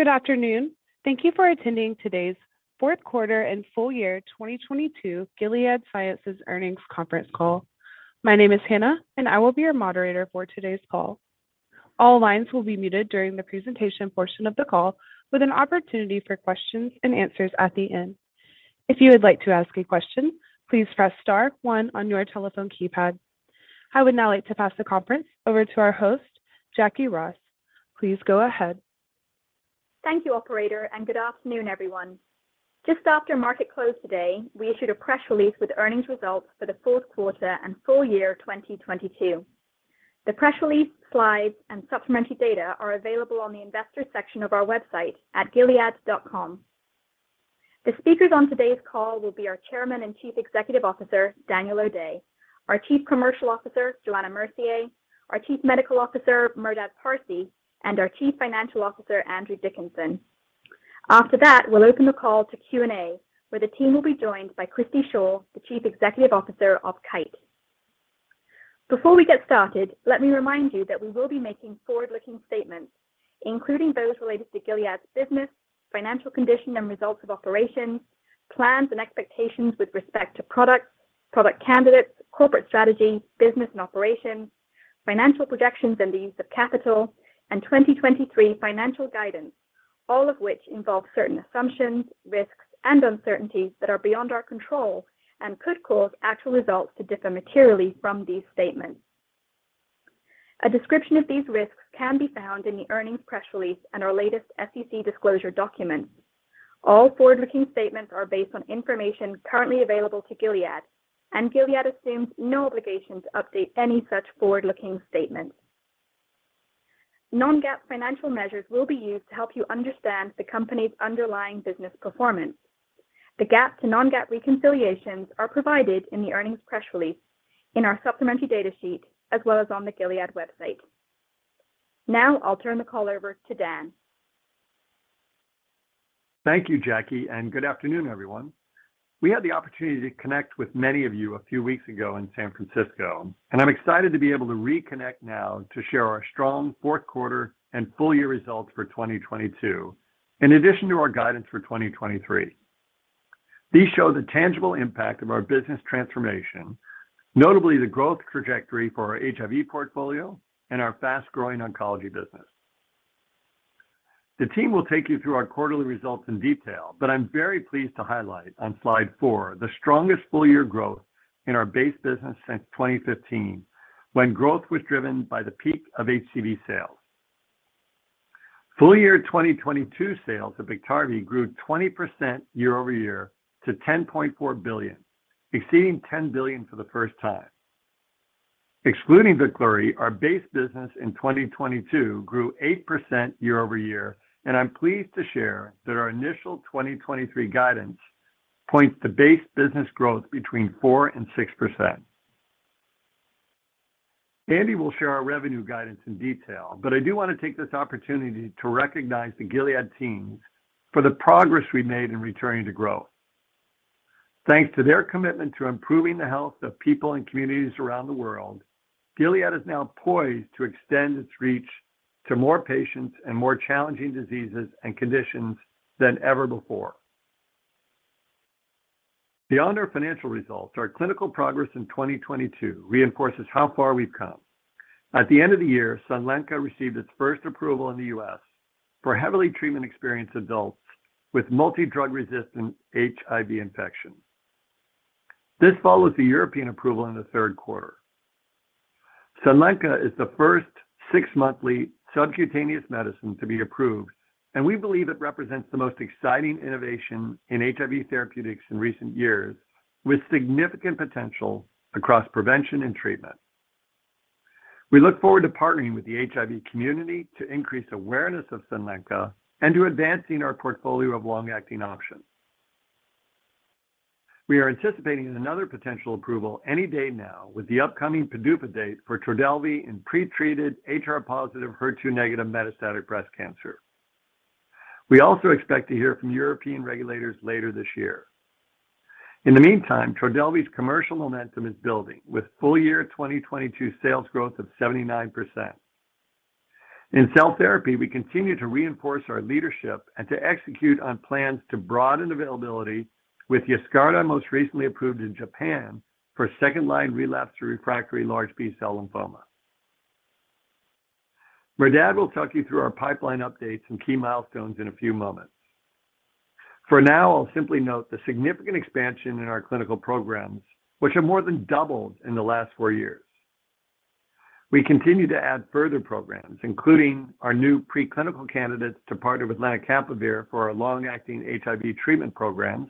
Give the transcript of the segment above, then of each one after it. Good afternoon. Thank you for attending today's Fourth Quarter and Full Year 2022 Gilead Sciences Earnings Conference Call. My name is Hannah, and I will be your moderator for today's call. All lines will be muted during the presentation portion of the call, with an opportunity for questions-and-answers at the end. If you would like to ask a question, please press star one on your telephone keypad. I would now like to pass the conference over to our host, Jacquie Ross. Please go ahead. Thank you, operator. Good afternoon, everyone. Just after market close today, we issued a press release with earnings results for the fourth quarter and full year 2022. The press release, slides, and supplementary data are available on the investors section of our website at gilead.com. The speakers on today's call will be our Chairman and Chief Executive Officer, Daniel O'Day, our Chief Commercial Officer, Johanna Mercier, our Chief Medical Officer, Merdad Parsey, and our Chief Financial Officer, Andrew Dickinson. After that, we'll open the call to Q&A, where the team will be joined by Christi Shaw, the Chief Executive Officer of Kite. Before we get started, let me remind you that we will be making forward-looking statements, including those related to Gilead's business, financial condition, and results of operations, plans and expectations with respect to products, product candidates, corporate strategy, business and operations, financial projections and the use of capital, and 2023 financial guidance, all of which involve certain assumptions, risks and uncertainties that are beyond our control and could cause actual results to differ materially from these statements. A description of these risks can be found in the earnings press release and our latest SEC disclosure documents. All forward-looking statements are based on information currently available to Gilead assumes no obligation to update any such forward-looking statements. non-GAAP financial measures will be used to help you understand the company's underlying business performance. The GAAP to non-GAAP reconciliations are provided in the earnings press release in our supplementary data sheet, as well as on the Gilead website. I'll turn the call over to Dan. Thank you, Jacquie, good afternoon, everyone. We had the opportunity to connect with many of you a few weeks ago in San Francisco, and I'm excited to be able to reconnect now to share our strong fourth quarter and full year results for 2022, in addition to our guidance for 2023. These show the tangible impact of our business transformation, notably the growth trajectory for our HIV portfolio and our fast-growing oncology business. The team will take you through our quarterly results in detail, I'm very pleased to highlight on slide four the strongest full year growth in our base business since 2015, when growth was driven by the peak of HCV sales. Full year 2022 sales of Biktarvy grew 20% year-over-year to $10.4 billion, exceeding $10 billion for the first time. Excluding Veklury, our base business in 2022 grew 8% year-over-year, and I'm pleased to share that our initial 2023 guidance points to base business growth between 4% and 6%. Andy will share our revenue guidance in detail, but I do want to take this opportunity to recognize the Gilead teams for the progress we made in returning to growth. Thanks to their commitment to improving the health of people and communities around the world, Gilead is now poised to extend its reach to more patients and more challenging diseases and conditions than ever before. Beyond our financial results, our clinical progress in 2022 reinforces how far we've come. At the end of the year, Sunlenca received its first approval in the U.S. for heavily treatment-experienced adults with multidrug-resistant HIV infection. This follows the European approval in the third quarter. Sunlenca is the first six-monthly subcutaneous medicine to be approved, and we believe it represents the most exciting innovation in HIV therapeutics in recent years, with significant potential across prevention and treatment. We look forward to partnering with the HIV community to increase awareness of Sunlenca and to advancing our portfolio of long-acting options. We are anticipating another potential approval any day now with the upcoming PDUFA date for Trodelvy in pretreated HR-positive, HER2-negative metastatic breast cancer. We also expect to hear from European regulators later this year. In the meantime, Trodelvy's commercial momentum is building, with full year 2022 sales growth of 79%. In cell therapy, we continue to reinforce our leadership and to execute on plans to broaden availability with Yescarta, most recently approved in Japan for 2nd-line relapse to refractory large B-cell lymphoma. Merdad will talk you through our pipeline updates and key milestones in a few moments. For now, I'll simply note the significant expansion in our clinical programs, which have more than doubled in the last four years. We continue to add further programs, including our new pre-clinical candidates to partner with lenacapavir for our long-acting HIV treatment programs,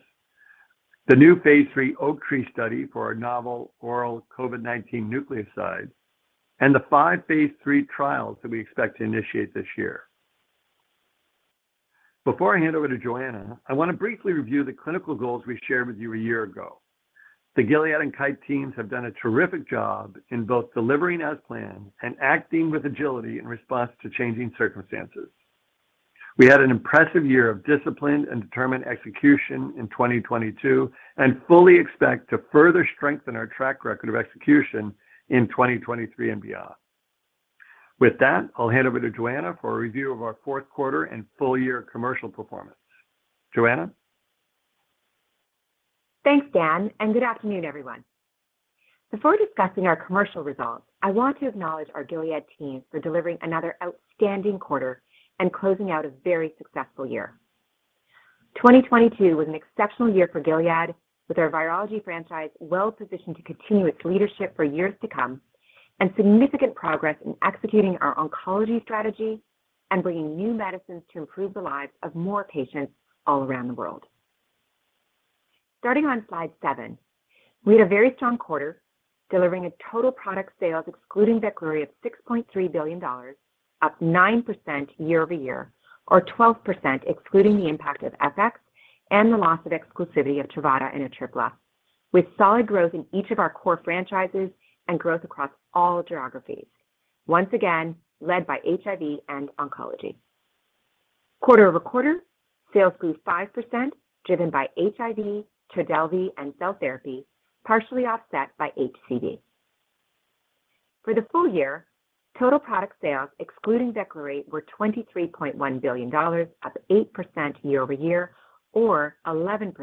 the new phase III SIMPLE study for our novel oral COVID-19 nucleoside, and the five phase III trials that we expect to initiate this year. Before I hand over to Johanna, I want to briefly review the clinical goals we shared with you a year ago. The Gilead and Kite teams have done a terrific job in both delivering as planned and acting with agility in response to changing circumstances. We had an impressive year of disciplined and determined execution in 2022 and fully expect to further strengthen our track record of execution in 2023 and beyond. With that, I'll hand over to Johanna for a review of our fourth quarter and full year commercial performance. Johanna? Thanks, Dan. Good afternoon, everyone. Before discussing our commercial results, I want to acknowledge our Gilead team for delivering another outstanding quarter and closing out a very successful year. 2022 was an exceptional year for Gilead, with our virology franchise well-positioned to continue its leadership for years to come and significant progress in executing our oncology strategy and bringing new medicines to improve the lives of more patients all around the world. Starting on slide seven, we had a very strong quarter, delivering a total product sales excluding Veklury of $6.3 billion, up 9% year-over-year or 12% excluding the impact of FX and the loss of exclusivity of Truvada in a Atripla with solid growth in each of our core franchises and growth across all geographies, once again led by HIV and oncology. Quarter-over-quarter, sales grew 5% driven by HIV, Trodelvy, and cell therapy, partially offset by HCV. For the full year, total product sales excluding Veklury were $23.1 billion, up 8% year-over-year or 11%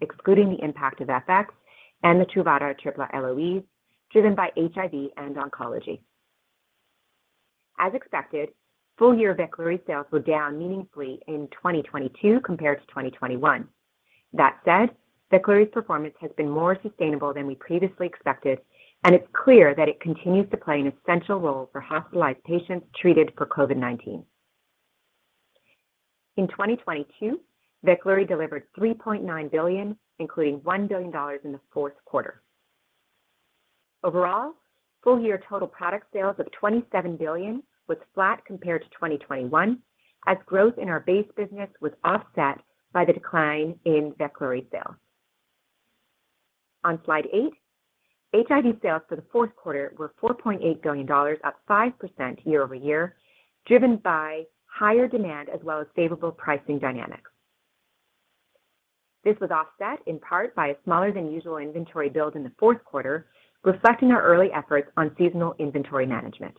excluding the impact of FX and the Truvada triple LOEs, driven by HIV and oncology. As expected, full year Veklury sales were down meaningfully in 2022 compared to 2021. That said, Veklury's performance has been more sustainable than we previously expected, and it's clear that it continues to play an essential role for hospitalized patients treated for COVID-19. In 2022, Veklury delivered $3.9 billion, including $1 billion in the fourth quarter. Overall, full year total product sales of $27 billion was flat compared to 2021 as growth in our base business was offset by the decline in Veklury sales. On slide eight, HIV sales for the fourth quarter were $4.8 billion, up 5% year-over-year, driven by higher demand as well as favorable pricing dynamics. This was offset in part by a smaller than usual inventory build in the fourth quarter, reflecting our early efforts on seasonal inventory management.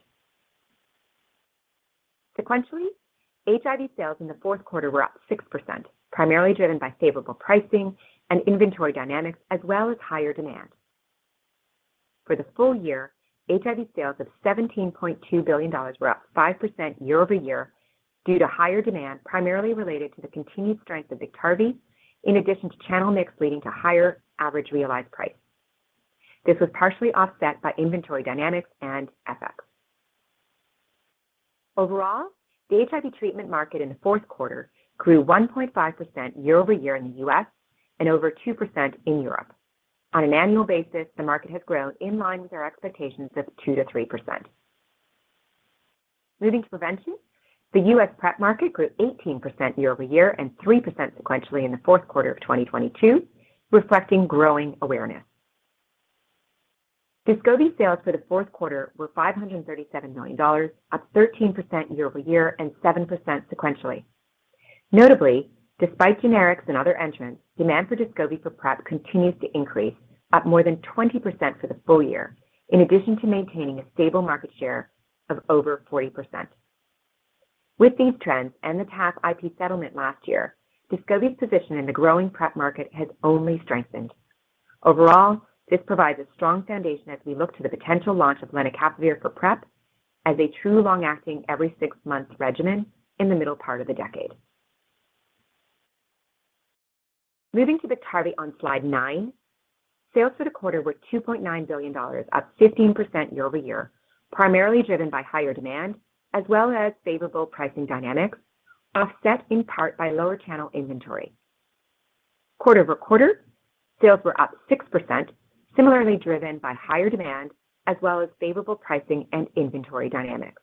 Sequentially, HIV sales in the fourth quarter were up 6%, primarily driven by favorable pricing and inventory dynamics as well as higher demand. For the full year, HIV sales of $17.2 billion were up 5% year-over-year due to higher demand, primarily related to the continued strength of Biktarvy, in addition to channel mix leading to higher average realized price. This was partially offset by inventory dynamics and FX. Overall, the HIV treatment market in the fourth quarter grew 1.5% year-over-year in the U.S. and over 2% in Europe. On an annual basis, the market has grown in line with our expectations of 2%-3%. Moving to prevention, the U.S. PrEP market grew 18% year-over-year and 3% sequentially in the fourth quarter of 2022, reflecting growing awareness. Descovy sales for the fourth quarter were $537 million, up 13% year-over-year and 7% sequentially. Notably, despite generics and other entrants, demand for Descovy for PrEP continues to increase, up more than 20% for the full year, in addition to maintaining a stable market share of over 40%. With these trends and the TAF IP settlement last year, Descovy's position in the growing PrEP market has only strengthened. Overall, this provides a strong foundation as we look to the potential launch of lenacapavir for PrEP as a true long-acting every six-month regimen in the middle part of the decade. Moving to Biktarvy on slide nine, sales for the quarter were $2.9 billion, up 15% year-over-year, primarily driven by higher demand as well as favorable pricing dynamics, offset in part by lower channel inventory. Quarter-over-quarter, sales were up 6%, similarly driven by higher demand as well as favorable pricing and inventory dynamics.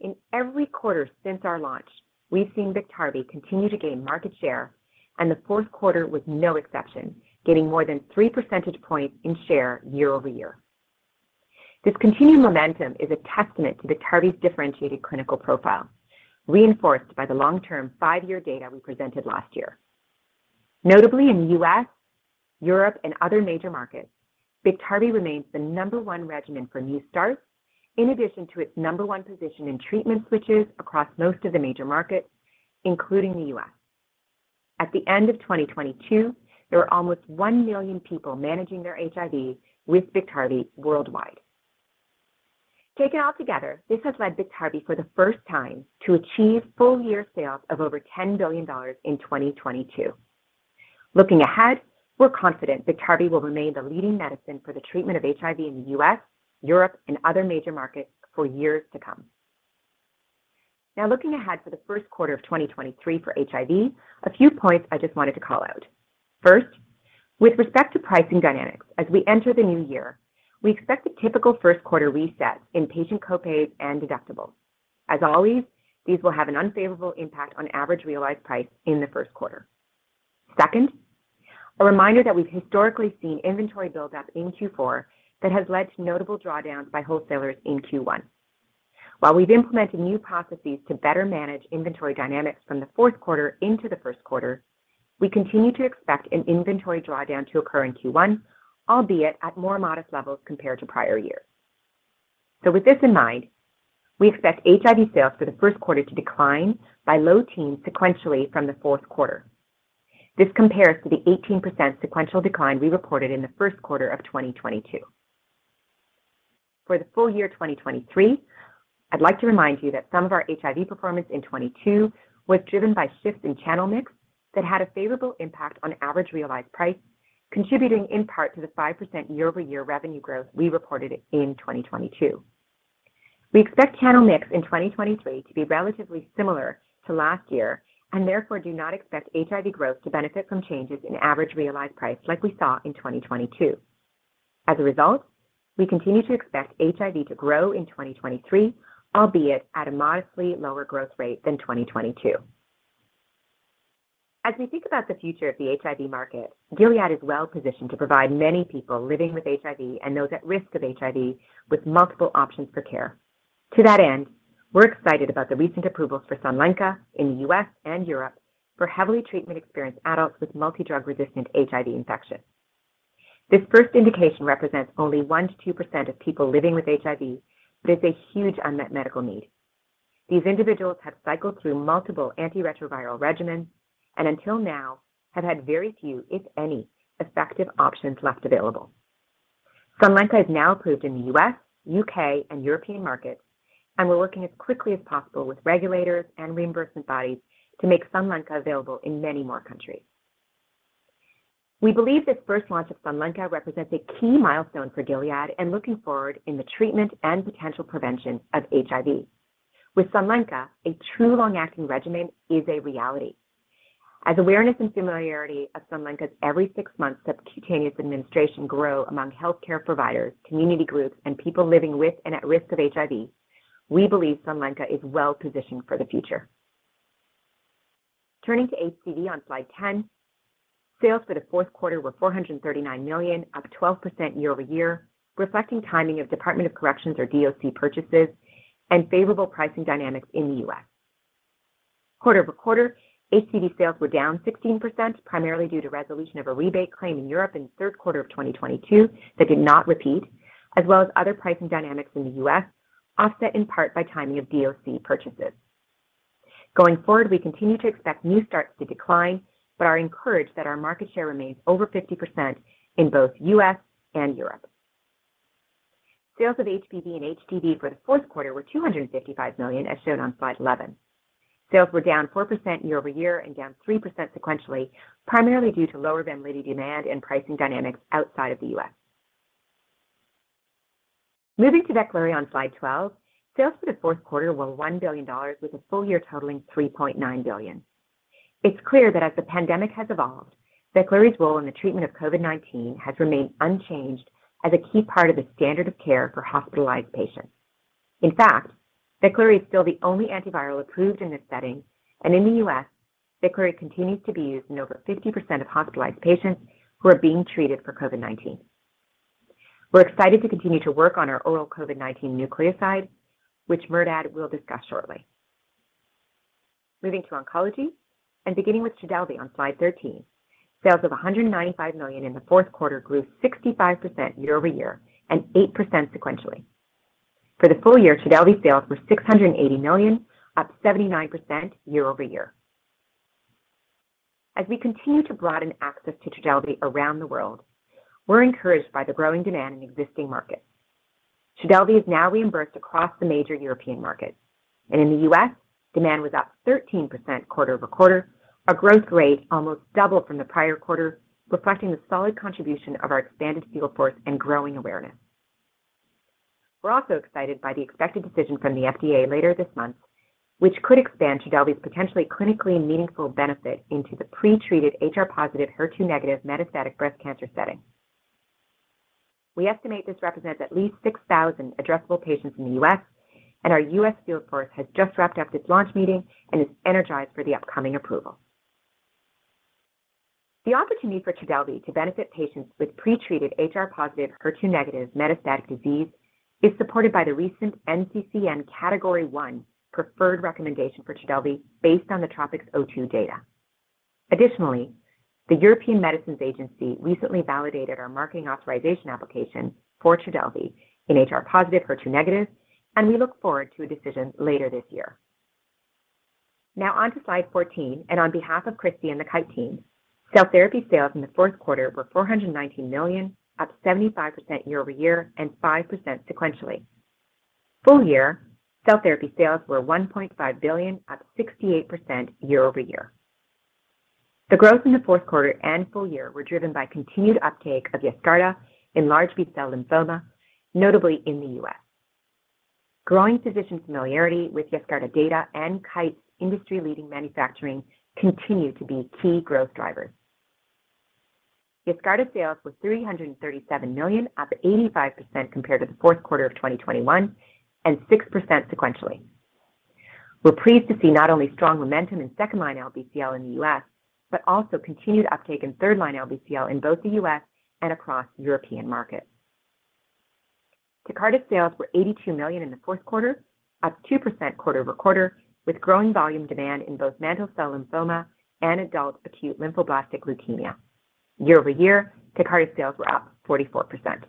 In every quarter since our launch, we've seen Biktarvy continue to gain market share, and the fourth quarter was no exception, gaining more than 3 percentage points in share year-over-year. This continued momentum is a testament to Biktarvy's differentiated clinical profile, reinforced by the long-term five-year data we presented last year. Notably in the U.S., Europe, and other major markets, Biktarvy remains the number one regimen for new starts, in addition to its number one position in treatment switches across most of the major markets, including the U.S. At the end of 2022, there were almost 1 million people managing their HIV with Biktarvy worldwide. Taken all together, this has led Biktarvy for the first time to achieve full year sales of over $10 billion in 2022. Looking ahead, we're confident Biktarvy will remain the leading medicine for the treatment of HIV in the U.S., Europe, and other major markets for years to come. Looking ahead for the first quarter of 2023 for HIV, a few points I just wanted to call out. First, with respect to pricing dynamics, as we enter the new year, we expect a typical first quarter reset in patient co-pays and deductibles. As always, these will have an unfavorable impact on average realized price in the first quarter. Second, a reminder that we've historically seen inventory build up in Q4 that has led to notable drawdowns by wholesalers in Q1. While we've implemented new processes to better manage inventory dynamics from the fourth quarter into the first quarter, we continue to expect an inventory drawdown to occur in Q1, albeit at more modest levels compared to prior years. With this in mind, we expect HIV sales for the first quarter to decline by low teens sequentially from the fourth quarter. This compares to the 18% sequential decline we reported in the first quarter of 2022. For the full year 2023, I'd like to remind you that some of our HIV performance in 2022 was driven by shifts in channel mix that had a favorable impact on average realized price, contributing in part to the 5% year-over-year revenue growth we reported in 2022. We expect channel mix in 2023 to be relatively similar to last year, and therefore do not expect HIV growth to benefit from changes in average realized price like we saw in 2022. As a result, we continue to expect HIV to grow in 2023, albeit at a modestly lower growth rate than 2022. As we think about the future of the HIV market, Gilead is well positioned to provide many people living with HIV and those at risk of HIV with multiple options for care. To that end, we're excited about the recent approvals for Sunlenca in the U.S. and Europe for heavily treatment-experienced adults with multidrug-resistant HIV infection. This first indication represents only 1%-2% of people living with HIV, but is a huge unmet medical need. These individuals have cycled through multiple antiretroviral regimens and until now have had very few, if any, effective options left available. Sunlenca is now approved in the U.S., U.K., and European markets. We're working as quickly as possible with regulators and reimbursement bodies to make Sunlenca available in many more countries. We believe this first launch of Sunlenca represents a key milestone for Gilead and looking forward in the treatment and potential prevention of HIV. With Sunlenca, a true long-acting regimen is a reality. As awareness and familiarity of Sunlenca's every-six-months subcutaneous administration grow among healthcare providers, community groups, and people living with and at risk of HIV, we believe Sunlenca is well-positioned for the future. Turning to HCV on slide 10, sales for the fourth quarter were $439 million, up 12% year-over-year, reflecting timing of Department of Corrections or DOC purchases and favorable pricing dynamics in the U.S. Quarter-over-quarter, HCV sales were down 16%, primarily due to resolution of a rebate claim in Europe in the third quarter of 2022 that did not repeat, as well as other pricing dynamics in the U.S., offset in part by timing of DOC purchases. Going forward, we continue to expect new starts to decline, but are encouraged that our market share remains over 50% in both U.S. and Europe. Sales of HBV and HDV for the fourth quarter were $255 million, as shown on slide 11. Sales were down 4% year-over-year and down 3% sequentially, primarily due to lower channel demand and pricing dynamics outside of the U.S. Moving to Veklury on slide 12, sales for the fourth quarter were $1 billion, with the full year totaling $3.9 billion. It's clear that as the pandemic has evolved, Veklury's role in the treatment of COVID-19 has remained unchanged as a key part of the standard of care for hospitalized patients. In fact, Veklury is still the only antiviral approved in this setting, and in the U.S., Veklury continues to be used in over 50% of hospitalized patients who are being treated for COVID-19. We're excited to continue to work on our oral COVID-19 nucleoside, which Merdad will discuss shortly. Moving to oncology and beginning with Trodelvy on slide 13, sales of $195 million in the fourth quarter grew 65% year-over-year and 8% sequentially. For the full year, Trodelvy sales were $680 million, up 79% year-over-year. As we continue to broaden access to Trodelvy around the world, we're encouraged by the growing demand in existing markets. Trodelvy is now reimbursed across the major European markets, and in the U.S., demand was up 13% quarter-over-quarter, a growth rate almost double from the prior quarter, reflecting the solid contribution of our expanded field force and growing awareness. We're also excited by the expected decision from the FDA later this month, which could expand Trodelvy's potentially clinically meaningful benefit into the pretreated HR-positive, HER2-negative metastatic breast cancer setting. We estimate this represents at least 6,000 addressable patients in the U.S. Our U.S. field force has just wrapped up its launch meeting and is energized for the upcoming approval. The opportunity for Trodelvy to benefit patients with pretreated HR-positive, HER2-negative metastatic disease is supported by the recent NCCN Category 1 preferred recommendation for Trodelvy based on the TROPiCS-02 data. Additionally, the European Medicines Agency recently validated our marketing authorization application for Trodelvy in HR-positive, HER2-negative, and we look forward to a decision later this year. Now on to slide 14, and on behalf of Christi and the Kite team, cell therapy sales in the fourth quarter were $419 million, up 75% year-over-year and 5% sequentially. Full year cell therapy sales were $1.5 billion, up 68% year-over-year. The growth in the fourth quarter and full year were driven by continued uptake of Yescarta in large B-cell lymphoma, notably in the U.S. Growing physician familiarity with Yescarta data and Kite's industry-leading manufacturing continue to be key growth drivers. Yescarta sales was $337 million, up 85% compared to the fourth quarter of 2021 and 6% sequentially. We're pleased to see not only strong momentum in second-line LBCL in the U.S., but also continued uptake in third-line LBCL in both the U.S. and across European markets. Tecartus sales were $82 million in the fourth quarter, up 2% quarter-over-quarter, with growing volume demand in both mantle cell lymphoma and adult acute lymphoblastic leukemia. Year-over-year, Tecartus sales were up 44%.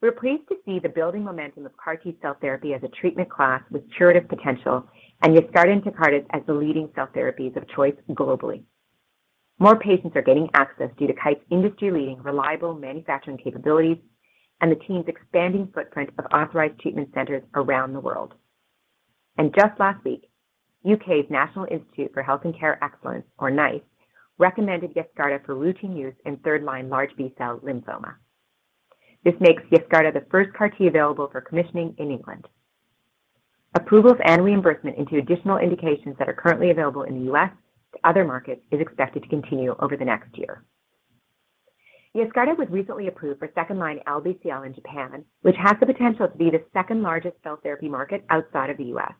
We're pleased to see the building momentum of CAR T-cell therapy as a treatment class with curative potential and Yescarta and Tecartus as the leading cell therapies of choice globally. More patients are getting access due to Kite's industry-leading reliable manufacturing capabilities and the team's expanding footprint of authorized treatment centers around the world. Just last week, U.K.'s National Institute for Health and Care Excellence, or NICE, recommended Yescarta for routine use in third line large B-cell lymphoma. This makes Yescarta the first CAR T available for commissioning in England. Approvals and reimbursement into additional indications that are currently available in the U.S. to other markets is expected to continue over the next year. Yescarta was recently approved for second-line LBCL in Japan, which has the potential to be the second-largest cell therapy market outside of the US.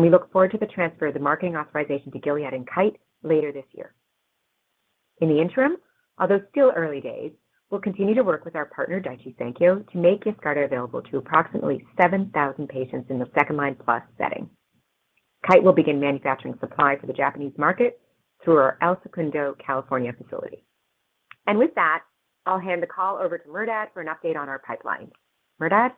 We look forward to the transfer of the marketing authorization to Gilead and Kite later this year. In the interim, although still early days, we'll continue to work with our partner, Daiichi Sankyo, to make Yescarta available to approximately 7,000 patients in the second line plus setting. Kite will begin manufacturing supply for the Japanese market through our El Segundo, California facility. With that, I'll hand the call over to Merdad for an update on our pipeline. Merdad?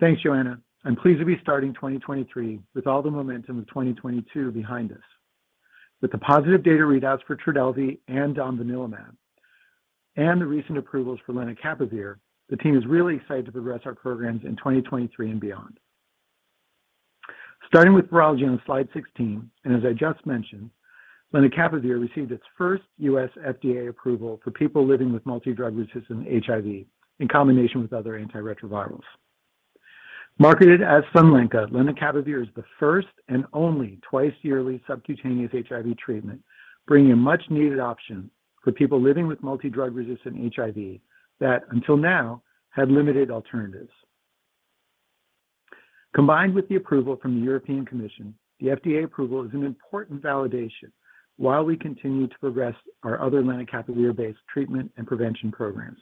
Thanks, Johanna. I'm pleased to be starting 2023 with all the momentum of 2022 behind us. With the positive data readouts for Trodelvy and Domvanalimab and the recent approvals for lenacapavir, the team is really excited to progress our programs in 2023 and beyond. Starting with virology on slide 16, and as I just mentioned, lenacapavir received its first U.S. FDA approval for people living with multi-drug resistant HIV in combination with other antiretrovirals. Marketed as Sunlenca, lenacapavir is the first and only twice-yearly subcutaneous HIV treatment, bringing a much-needed option for people living with multi-drug resistant HIV that, until now, had limited alternatives. Combined with the approval from the European Commission, the FDA approval is an important validation while we continue to progress our other lenacapavir-based treatment and prevention programs.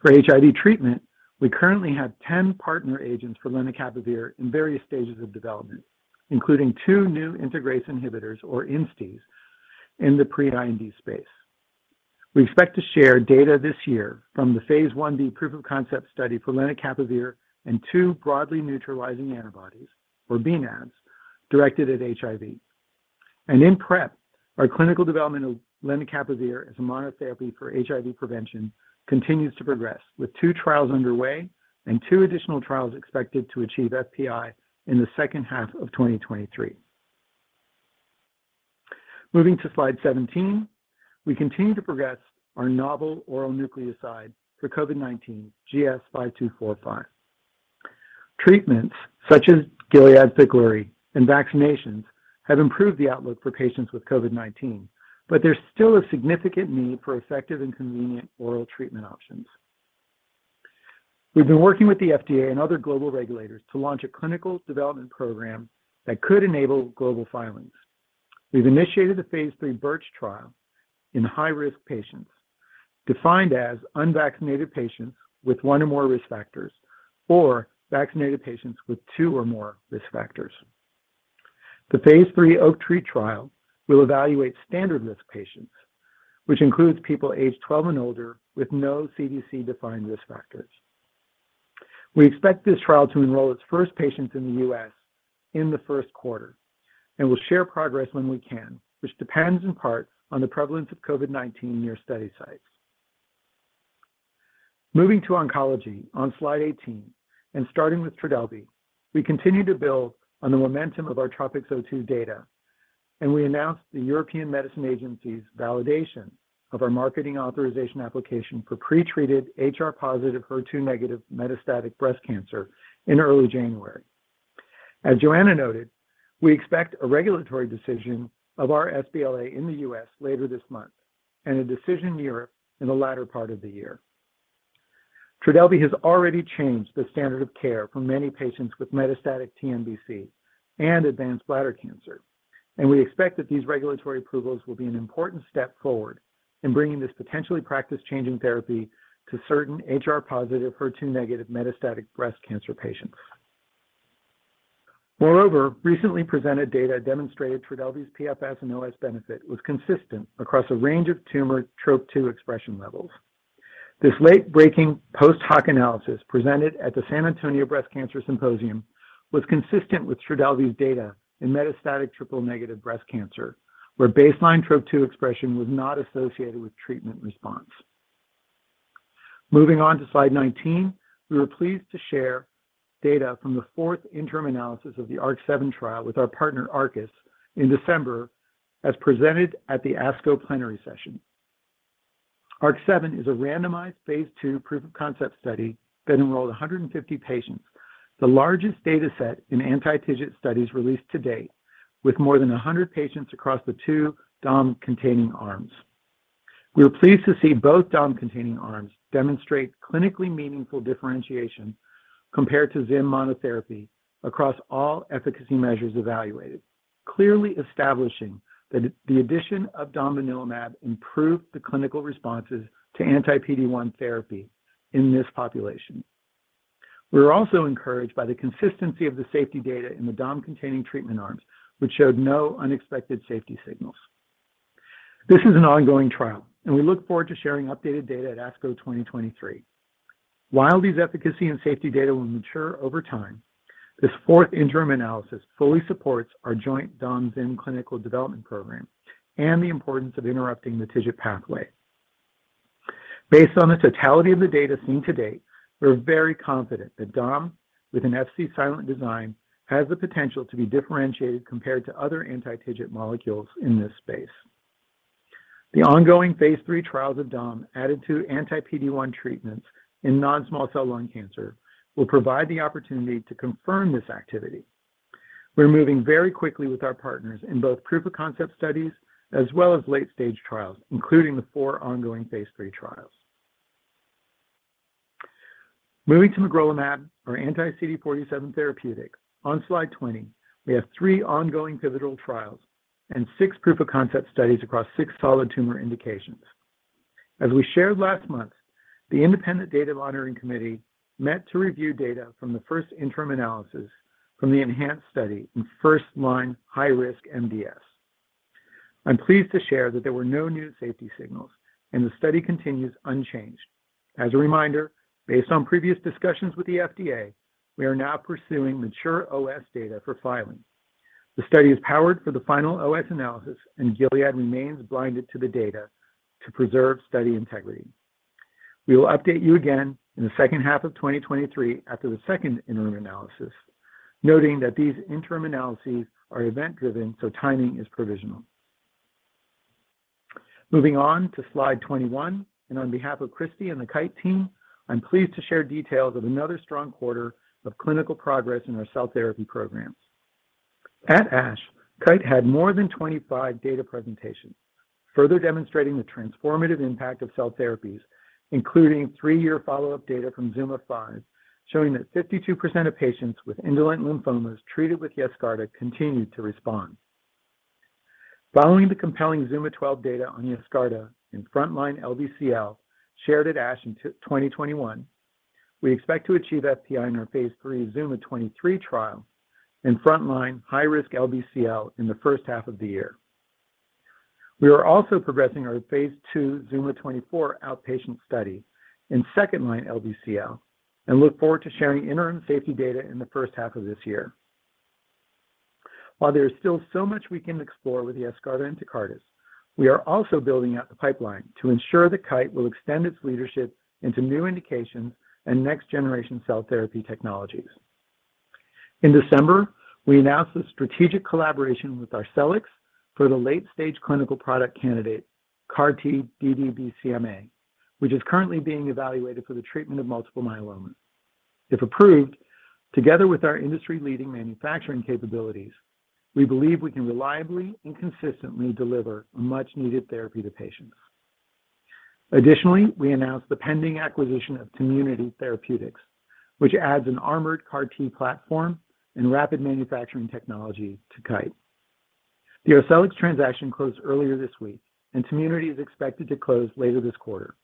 For HIV treatment, we currently have 10 partner agents for lenacapavir in various stages of development, including two new integrase inhibitors, or INSTIs, in the pre-IND space. We expect to share data this year from the phase I-B proof-of-concept study for lenacapavir and two broadly neutralizing antibodies, or bNAbs, directed at HIV. In PrEP, our clinical development of lenacapavir as a monotherapy for HIV prevention continues to progress, with two trials underway and two additional trials expected to achieve FPI in the second half of 2023. Moving to slide 17, we continue to progress our novel oral nucleoside for COVID-19, GS-5245. Treatments such as Gilead's Veklury and vaccinations have improved the outlook for patients with COVID-19, but there's still a significant need for effective and convenient oral treatment options. We've been working with the FDA and other global regulators to launch a clinical development program that could enable global filings. We've initiated the phase III Birch trial in high-risk patients, defined as unvaccinated patients with one or more risk factors or vaccinated patients with two or more risk factors. The phase III OAKTREE trial will evaluate standard-risk patients, which includes people aged 12 and older with no CDC-defined risk factors. We expect this trial to enroll its first patients in the U.S. in the first quarter, and we'll share progress when we can, which depends in part on the prevalence of COVID-19 near study sites. Moving to oncology on slide 18 and starting with Trodelvy, we continue to build on the momentum of our TROPiCS-02 data, and we announced the European Medicines Agency's validation of our marketing authorization application for pretreated HR-positive, HER2-negative metastatic breast cancer in early January. As Johanna noted, we expect a regulatory decision of our sBLA in the U.S. later this month and a decision in Europe in the latter part of the year. Trodelvy has already changed the standard of care for many patients with metastatic TNBC and advanced bladder cancer, and we expect that these regulatory approvals will be an important step forward in bringing this potentially practice-changing therapy to certain HR-positive, HER2-negative metastatic breast cancer patients. Moreover, recently presented data demonstrated Trodelvy's PFS and OS benefit was consistent across a range of tumor Trop-2 expression levels. This late-breaking post-hoc analysis presented at the San Antonio Breast Cancer Symposium was consistent with Trodelvy's data in metastatic triple-negative breast cancer, where baseline Trop-2 expression was not associated with treatment response. Moving on to slide 19, we were pleased to share data from the 4th interim analysis of the ARC-7 trial with our partner Arcus in December as presented at the ASCO plenary session. ARC-7 is a randomized phase II proof-of-concept study that enrolled 150 patients, the largest data set in anti-TIGIT studies released to date, with more than 100 patients across the two DOM-containing arms. We were pleased to see both DOM-containing arms demonstrate clinically meaningful differentiation compared to ZIM monotherapy across all efficacy measures evaluated, clearly establishing that the addition of domvanalimab improved the clinical responses to anti-PD-1 therapy in this population. We're also encouraged by the consistency of the safety data in the Dom-containing treatment arms, which showed no unexpected safety signals. This is an ongoing trial, and we look forward to sharing updated data at ASCO 2023. While these efficacy and safety data will mature over time, this 4th interim analysis fully supports our joint domvanalimab clinical development program and the importance of interrupting the TIGIT pathway. Based on the totality of the data seen to date, we're very confident that Dom with an Fc-silent design has the potential to be differentiated compared to other anti-TIGIT molecules in this space. The ongoing phase III trials of Dom added to anti-PD-1 treatments in non-small cell lung cancer will provide the opportunity to confirm this activity. We're moving very quickly with our partners in both proof of concept studies as well as late-stage trials, including the four ongoing phase III trials. Moving to magrolimab, our anti-CD47 therapeutic. On slide 20, we have three ongoing pivotal trials and six proof of concept studies across six solid tumor indications. As we shared last month, the independent data monitoring committee met to review data from the first interim analysis from the ENHANCE study in first-line high-risk MDS. I'm pleased to share that there were no new safety signals and the study continues unchanged. As a reminder, based on previous discussions with the FDA, we are now pursuing mature OS data for filing. The study is powered for the final OS analysis. Gilead remains blinded to the data to preserve study integrity. We will update you again in the second half of 2023 after the second interim analysis, noting that these interim analyses are event-driven, so timing is provisional. Moving on to slide 21. On behalf of Christi and the Kite team, I'm pleased to share details of another strong quarter of clinical progress in our cell therapy programs. At ASH, Kite had more than 25 data presentations, further demonstrating the transformative impact of cell therapies, including three-year follow-up data from ZUMA-5, showing that 52% of patients with indolent lymphomas treated with Yescarta continued to respond. Following the compelling ZUMA-12 data on Yescarta in frontline LBCL shared at ASH in 2021, we expect to achieve FPI in our phase III ZUMA-23 trial in frontline high-risk LBCL in the first half of the year. We are also progressing our phase II ZUMA-24 outpatient study in second-line LBCL and look forward to sharing interim safety data in the first half of this year. There is still so much we can explore with Yescarta and Tecartus, we are also building out the pipeline to ensure that Kite will extend its leadership into new indications and next generation cell therapy technologies. In December, we announced a strategic collaboration with Arcellx for the late-stage clinical product candidate, CART-ddBCMA, which is currently being evaluated for the treatment of multiple myeloma. If approved, together with our industry-leading manufacturing capabilities, we believe we can reliably and consistently deliver much needed therapy to patients. We announced the pending acquisition of Tmunity Therapeutics, which adds an armored CAR T platform and rapid manufacturing technology to Kite. The Arcellx transaction closed earlier this week, Tmunity is expected to close later this quarter.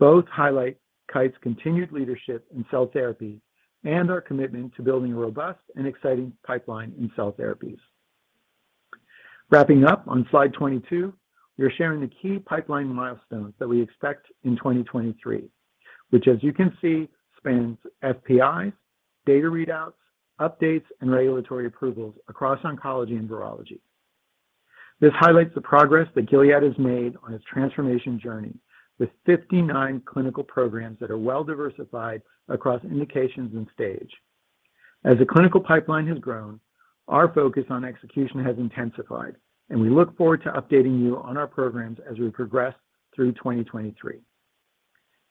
Both highlight Kite's continued leadership in cell therapy and our commitment to building a robust and exciting pipeline in cell therapies. Wrapping up on slide 22, we are sharing the key pipeline milestones that we expect in 2023, which, as you can see, spans FPI, data readouts, updates, and regulatory approvals across oncology and virology. This highlights the progress that Gilead has made on its transformation journey with 59 clinical programs that are well-diversified across indications and stage. As the clinical pipeline has grown, our focus on execution has intensified, and we look forward to updating you on our programs as we progress through 2023.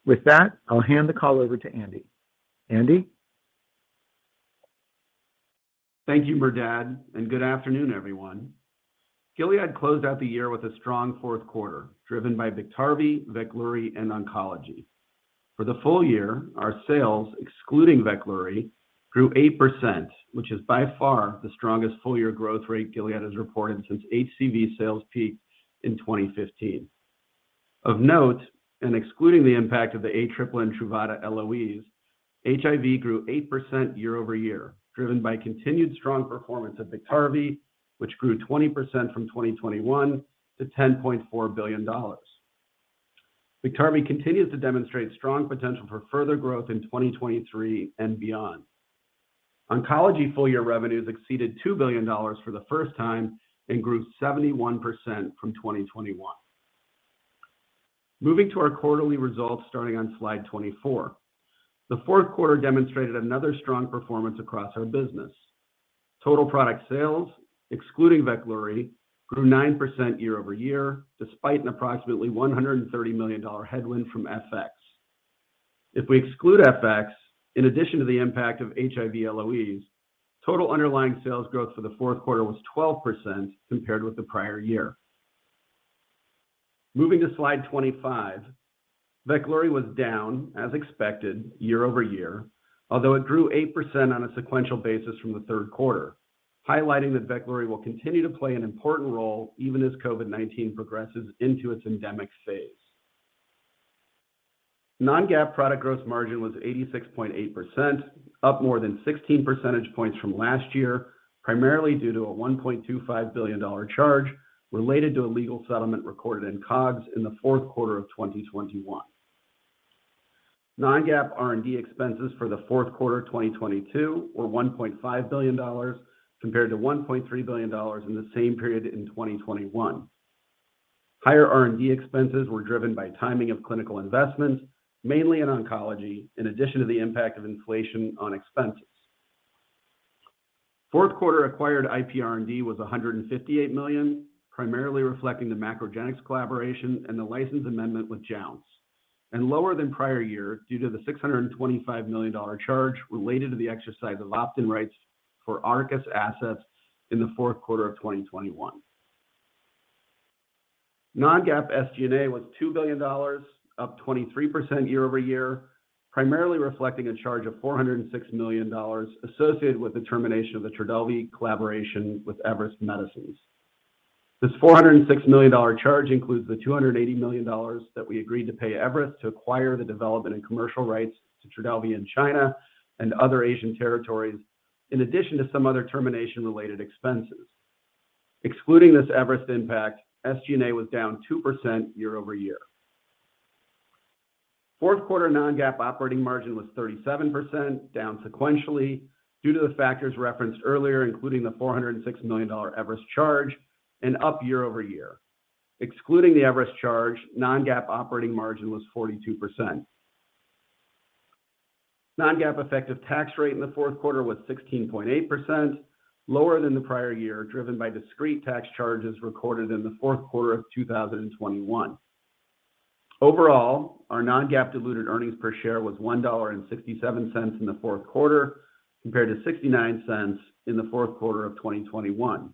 With that, I'll hand the call over to Andy. Andy? Thank you, Merdad, and good afternoon, everyone. Gilead closed out the year with a strong fourth quarter, driven by Biktarvy, Veklury, and oncology. For the full year, our sales, excluding Veklury, grew 8%, which is by far the strongest full year growth rate Gilead has reported since HCV sales peaked in 2015. Of note, excluding the impact of the Atripla and Truvada LOEs, HIV grew 8% year-over-year, driven by continued strong performance of Biktarvy, which grew 20% from 2021 to $10.4 billion. Biktarvy continues to demonstrate strong potential for further growth in 2023 and beyond. Oncology full year revenues exceeded $2 billion for the first time and grew 71% from 2021. Moving to our quarterly results starting on slide 24. The fourth quarter demonstrated another strong performance across our business. Total product sales, excluding Veklury, grew 9% year-over-year, despite an approximately $130 million headwind from FX. If we exclude FX, in addition to the impact of HIV LOEs, total underlying sales growth for the fourth quarter was 12% compared with the prior year. Moving to slide 25. Veklury was down as expected year-over-year, although it grew 8% on a sequential basis from the third quarter, highlighting that Veklury will continue to play an important role even as COVID-19 progresses into its endemic phase. Non-GAAP product gross margin was 86.8%, up more than 16 percentage points from last year, primarily due to a $1.25 billion charge related to a legal settlement recorded in COGS in the fourth quarter of 2021. Non-GAAP R&D expenses for the fourth quarter 2022 were $1.5 billion compared to $1.3 billion in the same period in 2021. Higher R&D expenses were driven by timing of clinical investments, mainly in oncology, in addition to the impact of inflation on expenses. Fourth quarter acquired IP R&D was $158 million, primarily reflecting the MacroGenics collaboration and the license amendment with Jounce, and lower than prior year due to the $625 million charge related to the exercise of opt-in rights for Arcus assets in the fourth quarter of 2021. Non-GAAP SG&A was $2 billion, up 23% year-over-year, primarily reflecting a charge of $406 million associated with the termination of the Trodelvy collaboration with Everest Medicines. This $406 million charge includes the $280 million that we agreed to pay Everest to acquire the development and commercial rights to Trodelvy in China and other Asian territories, in addition to some other termination-related expenses. Excluding this Everest impact, SG&A was down 2% year-over-year. Fourth quarter non-GAAP operating margin was 37%, down sequentially due to the factors referenced earlier, including the $406 million Everest charge and up year-over-year. Excluding the Everest charge, non-GAAP operating margin was 42%. Non-GAAP effective tax rate in the fourth quarter was 16.8%, lower than the prior year, driven by discrete tax charges recorded in the fourth quarter of 2021. Overall, our non-GAAP diluted earnings per share was $1.67 in the fourth quarter, compared to $0.69 in the fourth quarter of 2021.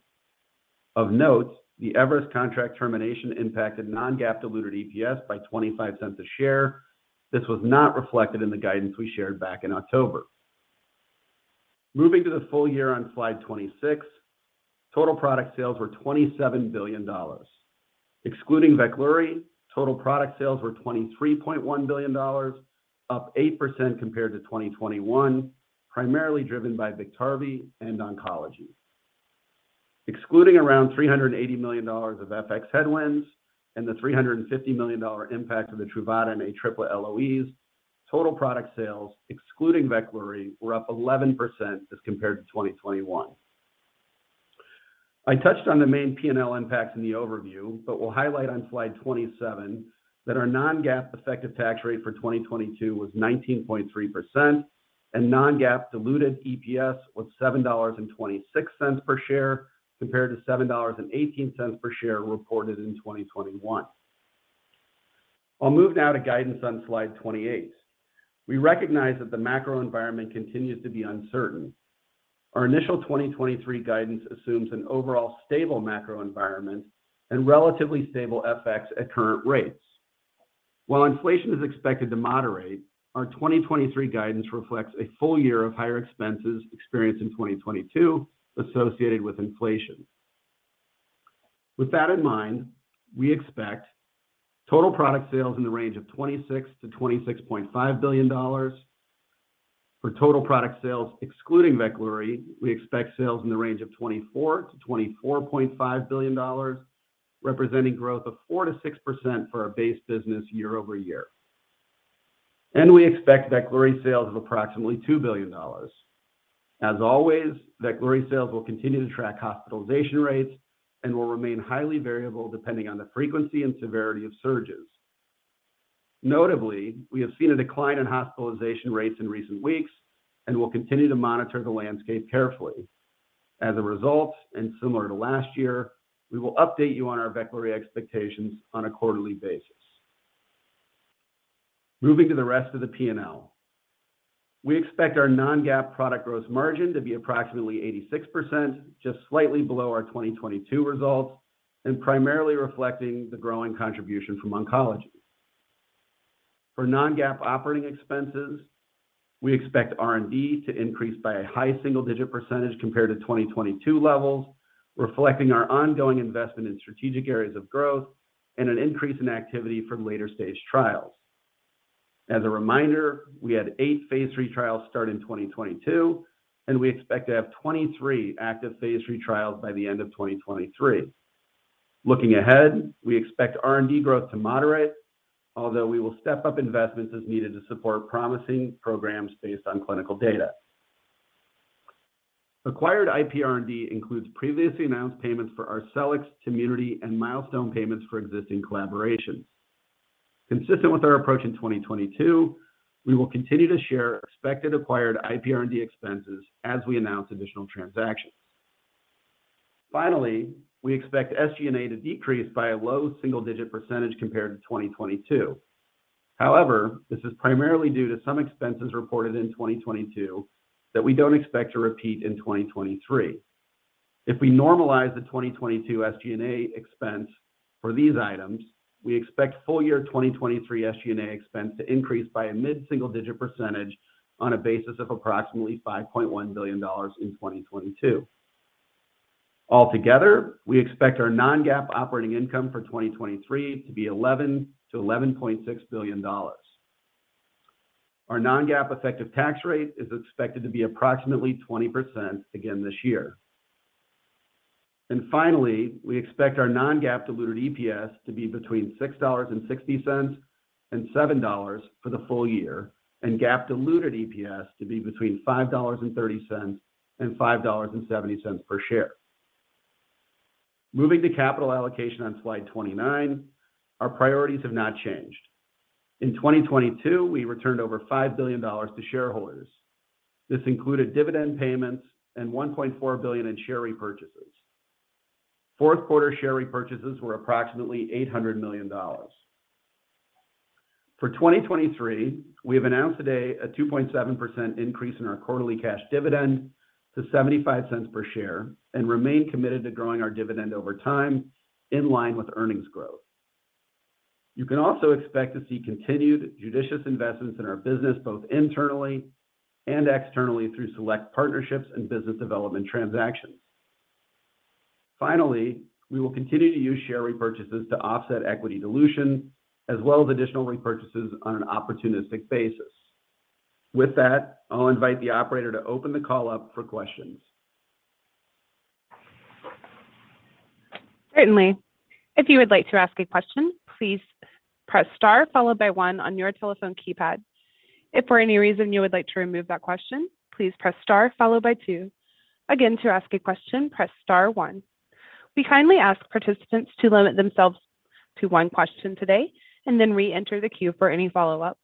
Of note, the Everest contract termination impacted non-GAAP diluted EPS by $0.25 a share. This was not reflected in the guidance we shared back in October. Moving to the full year on slide 26, total product sales were $27 billion. Excluding Veklury, total product sales were $23.1 billion, up 8% compared to 2021, primarily driven by Biktarvy and oncology. Excluding around $380 million of FX headwinds and the $350 million impact of the Truvada and Atripla LOEs, total product sales excluding Veklury were up 11% as compared to 2021. I touched on the main P&L impacts in the overview, but will highlight on slide 27 that our non-GAAP effective tax rate for 2022 was 19.3% and non-GAAP diluted EPS was $7.26 per share compared to $7.18 per share reported in 2021. I'll move now to guidance on slide 28. We recognize that the macro environment continues to be uncertain. Our initial 2023 guidance assumes an overall stable macro environment and relatively stable FX at current rates. While inflation is expected to moderate, our 2023 guidance reflects a full year of higher expenses experienced in 2022 associated with inflation. With that in mind, we expect total product sales in the range of $26 billion-$26.5 billion. For total product sales excluding Veklury, we expect sales in the range of $24 billion-$24.5 billion, representing growth of 4%-6% for our base business year-over-year. We expect Veklury sales of approximately $2 billion. As always, Veklury sales will continue to track hospitalization rates and will remain highly variable depending on the frequency and severity of surges. Notably, we have seen a decline in hospitalization rates in recent weeks and will continue to monitor the landscape carefully. As a result, and similar to last year, we will update you on our Veklury expectations on a quarterly basis. Moving to the rest of the P&L. We expect our non-GAAP product gross margin to be approximately 86%, just slightly below our 2022 results, and primarily reflecting the growing contribution from oncology. For non-GAAP operating expenses, we expect R&D to increase by a high single-digit % compared to 2022 levels, reflecting our ongoing investment in strategic areas of growth and an increase in activity from later-stage trials. As a reminder, we had eight phase III trials start in 2022, and we expect to have 23 active phase III trials by the end of 2023. Looking ahead, we expect R&D growth to moderate, although we will step up investments as needed to support promising programs based on clinical data. Acquired IP R&D includes previously announced payments for Arcellx, Tmunity, and milestone payments for existing collaborations. Consistent with our approach in 2022, we will continue to share expected acquired IP R&D expenses as we announce additional transactions. Finally, we expect SG&A to decrease by a low single-digit % compared to 2022. However, this is primarily due to some expenses reported in 2022 that we don't expect to repeat in 2023. If we normalize the 2022 SG&A expense for these items, we expect full year 2023 SG&A expense to increase by a mid-single-digit percentage on a basis of approximately $5.1 billion in 2022. Altogether, we expect our non-GAAP operating income for 2023 to be $11 billion-$11.6 billion. Our non-GAAP effective tax rate is expected to be approximately 20% again this year. Finally, we expect our non-GAAP diluted EPS to be between $6.60 and $7 for the full year, and GAAP diluted EPS to be between $5.30 and $5.70 per share. Moving to capital allocation on slide 29, our priorities have not changed. In 2022, we returned over $5 billion to shareholders. This included dividend payments and $1.4 billion in share repurchases. Fourth quarter share repurchases were approximately $800 million. For 2023, we have announced today a 2.7% increase in our quarterly cash dividend to $0.75 per share and remain committed to growing our dividend over time in line with earnings growth. You can also expect to see continued judicious investments in our business, both internally and externally through select partnerships and business development transactions. Finally, we will continue to use share repurchases to offset equity dilution, as well as additional repurchases on an opportunistic basis. With that, I'll invite the operator to open the call up for questions. Certainly. If you would like to ask a question, please press star followed by one on your telephone keypad. If for any reason you would like to remove that question, please press star followed by two. Again, to ask a question, press star one. We kindly ask participants to limit themselves to one question today, and then reenter the queue for any follow-up.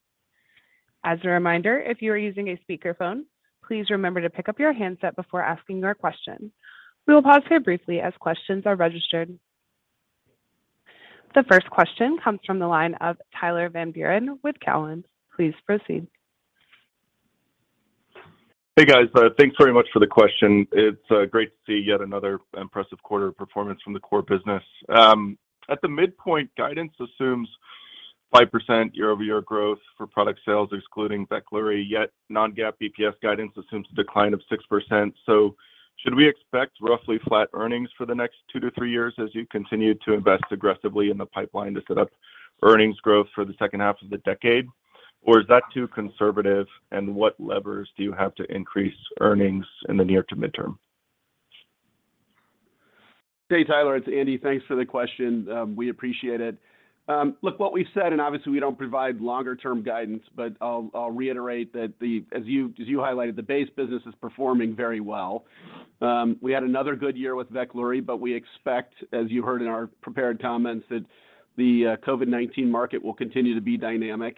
As a reminder, if you are using a speakerphone, please remember to pick up your handset before asking your question. We will pause here briefly as questions are registered. The first question comes from the line of Tyler Van Buren with Cowen. Please proceed. Hey, guys. Thanks very much for the question. It's great to see yet another impressive quarter of performance from the core business. At the midpoint, guidance assumes 5% year-over-year growth for product sales, excluding Veklury, yet non-GAAP EPS guidance assumes a decline of 6%. Should we expect roughly flat earnings for the next two-three years as you continue to invest aggressively in the pipeline to set up earnings growth for the second half of the decade? Or is that too conservative, and what levers do you have to increase earnings in the near to midterm? Hey, Tyler, it's Andy. Thanks for the question. We appreciate it. Look, what we've said, obviously we don't provide longer-term guidance, but I'll reiterate that as you highlighted, the base business is performing very well. We had another good year with Veklury, but we expect, as you heard in our prepared comments, that the COVID-19 market will continue to be dynamic.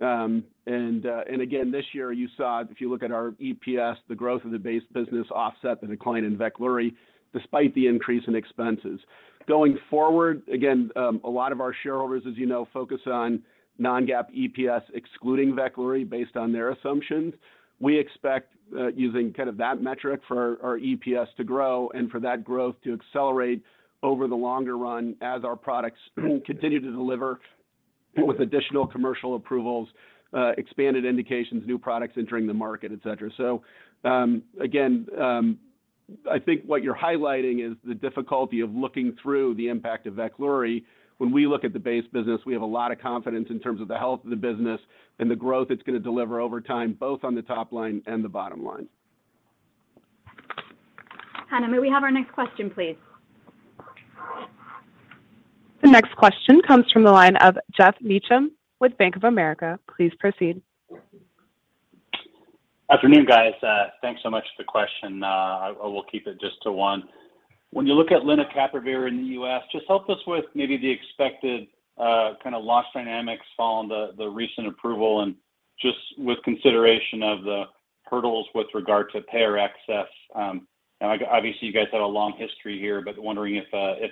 Again, this year you saw, if you look at our EPS, the growth of the base business offset the decline in Veklury despite the increase in expenses. Going forward, again, a lot of our shareholders, as you know, focus on non-GAAP EPS excluding Veklury based on their assumptions. We expect, using kind of that metric for our EPS to grow and for that growth to accelerate over the longer run as our products continue to deliver with additional commercial approvals, expanded indications, new products entering the market, et cetera. Again, I think what you're highlighting is the difficulty of looking through the impact of Veklury. When we look at the base business, we have a lot of confidence in terms of the health of the business and the growth it's gonna deliver over time, both on the top line and the bottom line. Hannah, may we have our next question, please? The next question comes from the line of Geoff Meacham with Bank of America. Please proceed. Afternoon, guys. Thanks so much for the question. I will keep it just to one. When you look at lenacapavir in the U.S., just help us with maybe the expected, kinda loss dynamics following the recent approval and just with consideration of the hurdles with regard to payer access. Now obviously you guys have a long history here, but wondering if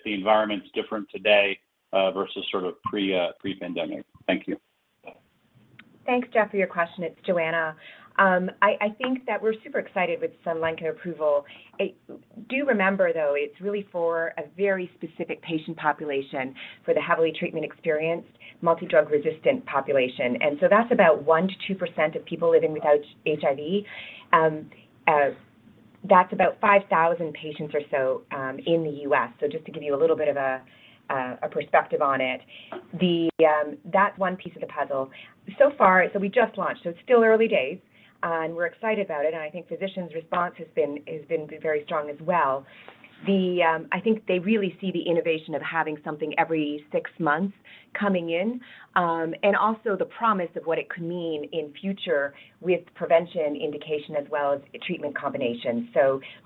the environment's different today, versus sort of pre-pandemic. Thank you. Thanks, Geoff, for your question. It's Johanna. I think that we're super excited with Sunlenca approval. Do remember, though, it's really for a very specific patient population, for the heavily treatment-experienced, multi-drug resistant population, that's about 1%-2% of people living without HIV. That's about 5,000 patients or so in the U.S. Just to give you a little bit of a perspective on it. That's one piece of the puzzle. So far, so we just launched, so it's still early days, and we're excited about it, and I think physicians' response has been very strong as well. The, I think they really see the innovation of having something every six months coming in, and also the promise of what it could mean in future with prevention indication as well as treatment combinations.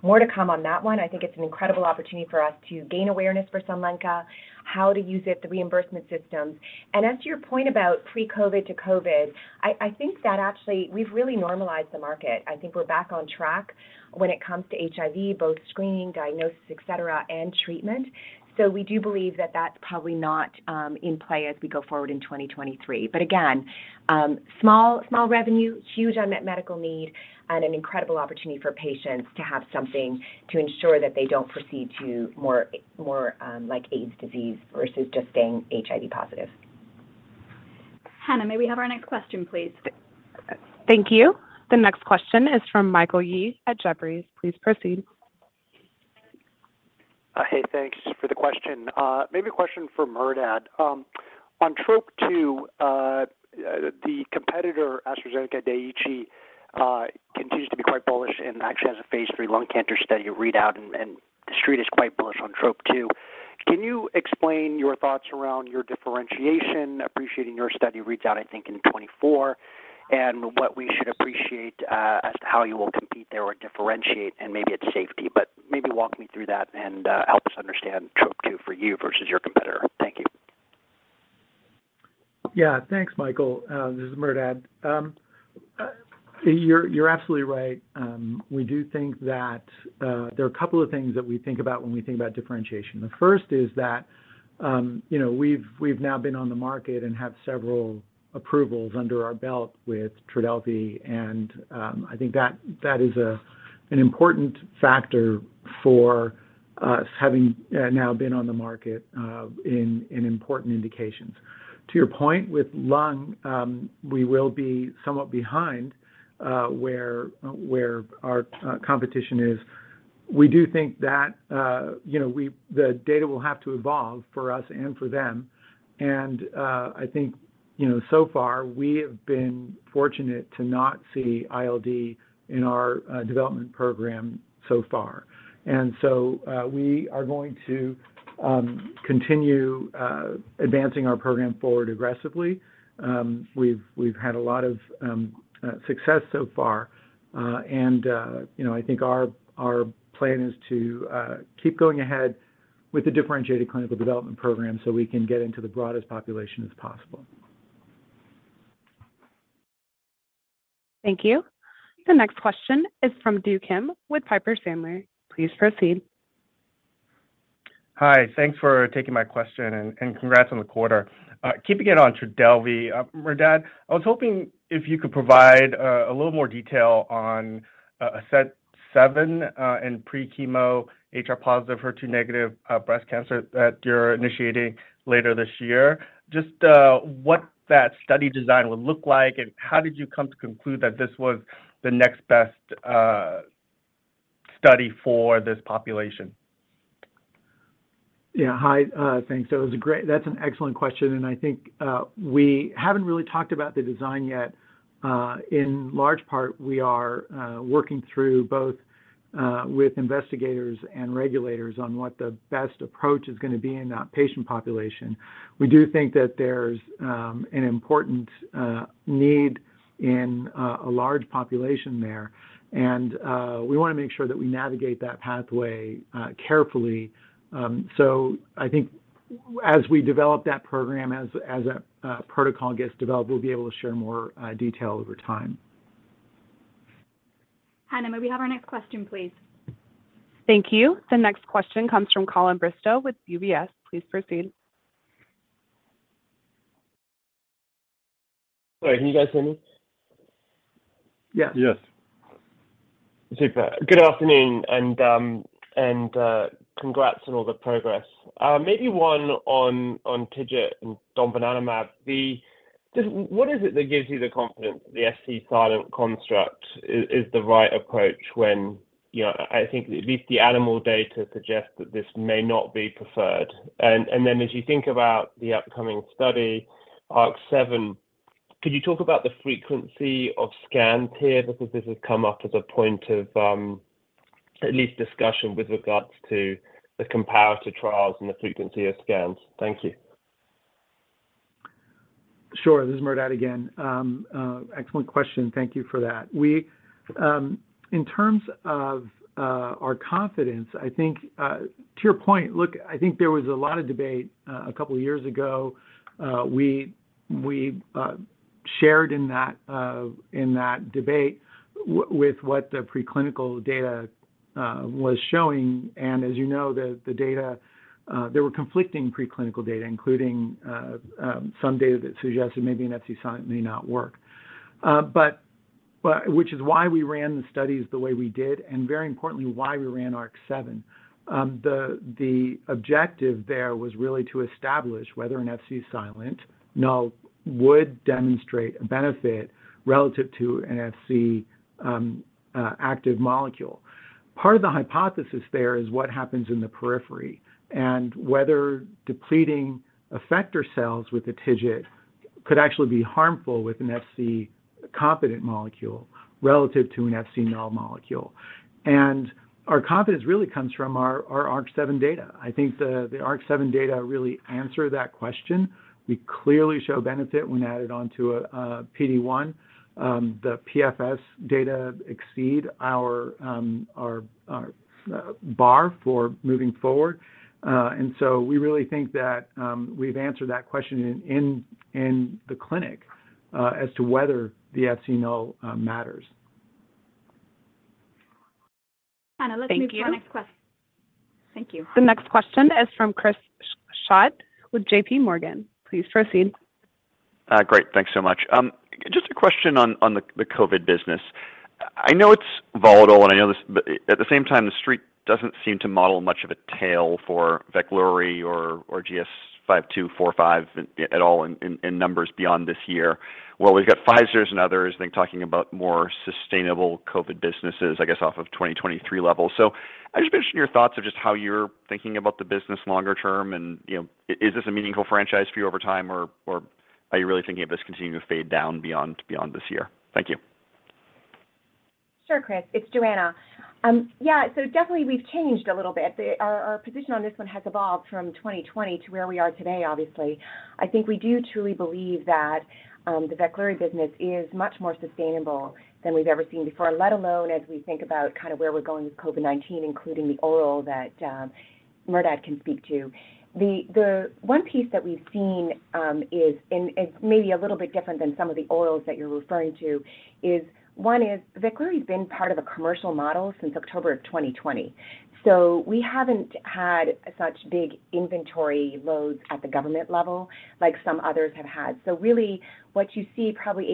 More to come on that one. I think it's an incredible opportunity for us to gain awareness for Sunlenca, how to use it, the reimbursement systems. As to your point about pre-COVID to COVID, I think that actually we've really normalized the market. I think we're back on track when it comes to HIV, both screening, diagnosis, et cetera, and treatment. We do believe that that's probably not in play as we go forward in 2023. Again, small revenue, huge unmet medical need, and an incredible opportunity for patients to have something to ensure that they don't proceed to more, like AIDS disease versus just staying HIV positive. Hannah, may we have our next question, please? Thank you. The next question is from Michael Yee at Jefferies. Please proceed. Hey, thanks for the question. Maybe a question for Merdad. On Trop-2, the competitor, AstraZeneca Daiichi, continues to be quite bullish and actually has a phase III lung cancer study readout, and The Street is quite bullish on Trop-2. Can you explain your thoughts around your differentiation, appreciating your study readout, I think, in 2024, and what we should appreciate as to how you will compete there or differentiate, and maybe it's safety. Maybe walk me through that and help us understand Trop-2 for you versus your competitor. Thank you. Yeah. Thanks, Michael. This is Merdad. You're absolutely right. We do think there are a couple of things that we think about when we think about differentiation. The first is that, you know, we've now been on the market and have several approvals under our belt with Trodelvy, I think that is an important factor for us having now been on the market in important indications. To your point, with lung, we will be somewhat behind where our competition is. We do think that, you know, the data will have to evolve for us and for them. I think, you know, so far we have been fortunate to not see ILD in our development program so far. We are going to continue advancing our program forward aggressively. We've had a lot of success so far. You know, I think our plan is to keep going ahead with the differentiated clinical development program so we can get into the broadest population as possible. Thank you. The next question is from Do Kim with Piper Sandler. Please proceed. Hi. Thanks for taking my question, and congrats on the quarter. Keeping it on Trodelvy, Merdad, I was hoping if you could provide a little more detail on ASCENT-7 in pre-chemo HR-positive, HER2-negative breast cancer that you're initiating later this year. Just what that study design would look like, and how did you come to conclude that this was the next best study for this population? Yeah. Hi. Thanks. That's an excellent question, and I think we haven't really talked about the design yet. In large part, we are working through both with investigators and regulators on what the best approach is gonna be in that patient population. We do think that there's an important need in a large population there, and we wanna make sure that we navigate that pathway carefully. So I think as we develop that program, as that protocol gets developed, we'll be able to share more detail over time. Hannah, may we have our next question, please? Thank you. The next question comes from Colin Bristow with UBS. Please proceed. Sorry, can you guys hear me? Yeah. Yes. Super. Good afternoon, and congrats on all the progress. Maybe one on TIGIT and domvanalimab. Just what is it that gives you the confidence that the Fc-silent construct is the right approach when, you know, I think at least the animal data suggests that this may not be preferred? As you think about the upcoming study, ARC-7, could you talk about the frequency of scans here? Because this has come up as a point of at least discussion with regards to the comparative trials and the frequency of scans. Thank you. Sure. This is Merdad again. Excellent question. Thank you for that. We. In terms of our confidence, I think to your point, look, I think there was a lot of debate two years ago. We shared in that debate with what the preclinical data was showing. As you know, the data there were conflicting preclinical data, including some data that suggested maybe an Fc-silent may not work. Which is why we ran the studies the way we did, and very importantly, why we ran ARC-7. The objective there was really to establish whether an Fc-silent null would demonstrate a benefit relative to an Fc active molecule. Part of the hypothesis there is what happens in the periphery and whether depleting effector cells with the TIGIT could actually be harmful with an Fc-competent molecule relative to an Fc null molecule. Our confidence really comes from our ARC-7 data. I think the ARC-7 data really answer that question. We clearly show benefit when added onto a PD-1. The PFS data exceed our bar for moving forward. We really think that we've answered that question in the clinic as to whether the Fc null matters. Hannah, let's move to our next. Thank you. Thank you. The next question is from Chris Schott with JPMorgan. Please proceed. Great. Thanks so much. Just a question on the COVID business. I know it's volatile, but at the same time, the Street doesn't seem to model much of a tail for Veklury or GS-5245 at all in numbers beyond this year. While we've got Pfizer's and others, I think, talking about more sustainable COVID businesses, I guess, off of 2023 levels. I'm just interested in your thoughts of just how you're thinking about the business longer term and, you know, is this a meaningful franchise for you over time or are you really thinking of this continuing to fade down beyond this year? Thank you. Sure, Chris. It's Johanna. Yeah. Definitely we've changed a little bit. Our position on this one has evolved from 2020 to where we are today, obviously. I think we do truly believe that the Veklury business is much more sustainable than we've ever seen before, let alone as we think about kind of where we're going with COVID-19, including the oral that Merdad can speak to. The one piece that we've seen is, and is maybe a little bit different than some of the orals that you're referring to is, one is Veklury's been part of the commercial model since October 2020. We haven't had such big inventory loads at the government level like some others have had. Really what you see probably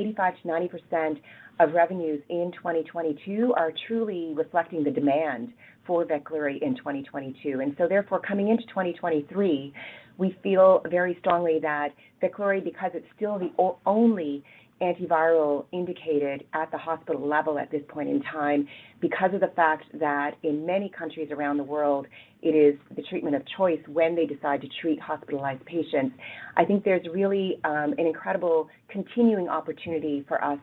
85%-90% of revenues in 2022 are truly reflecting the demand for Veklury in 2022. Therefore, coming into 2023, we feel very strongly that Veklury, because it's still the only antiviral indicated at the hospital level at this point in time, because of the fact that in many countries around the world it is the treatment of choice when they decide to treat hospitalized patients, I think there's really an incredible continuing opportunity for us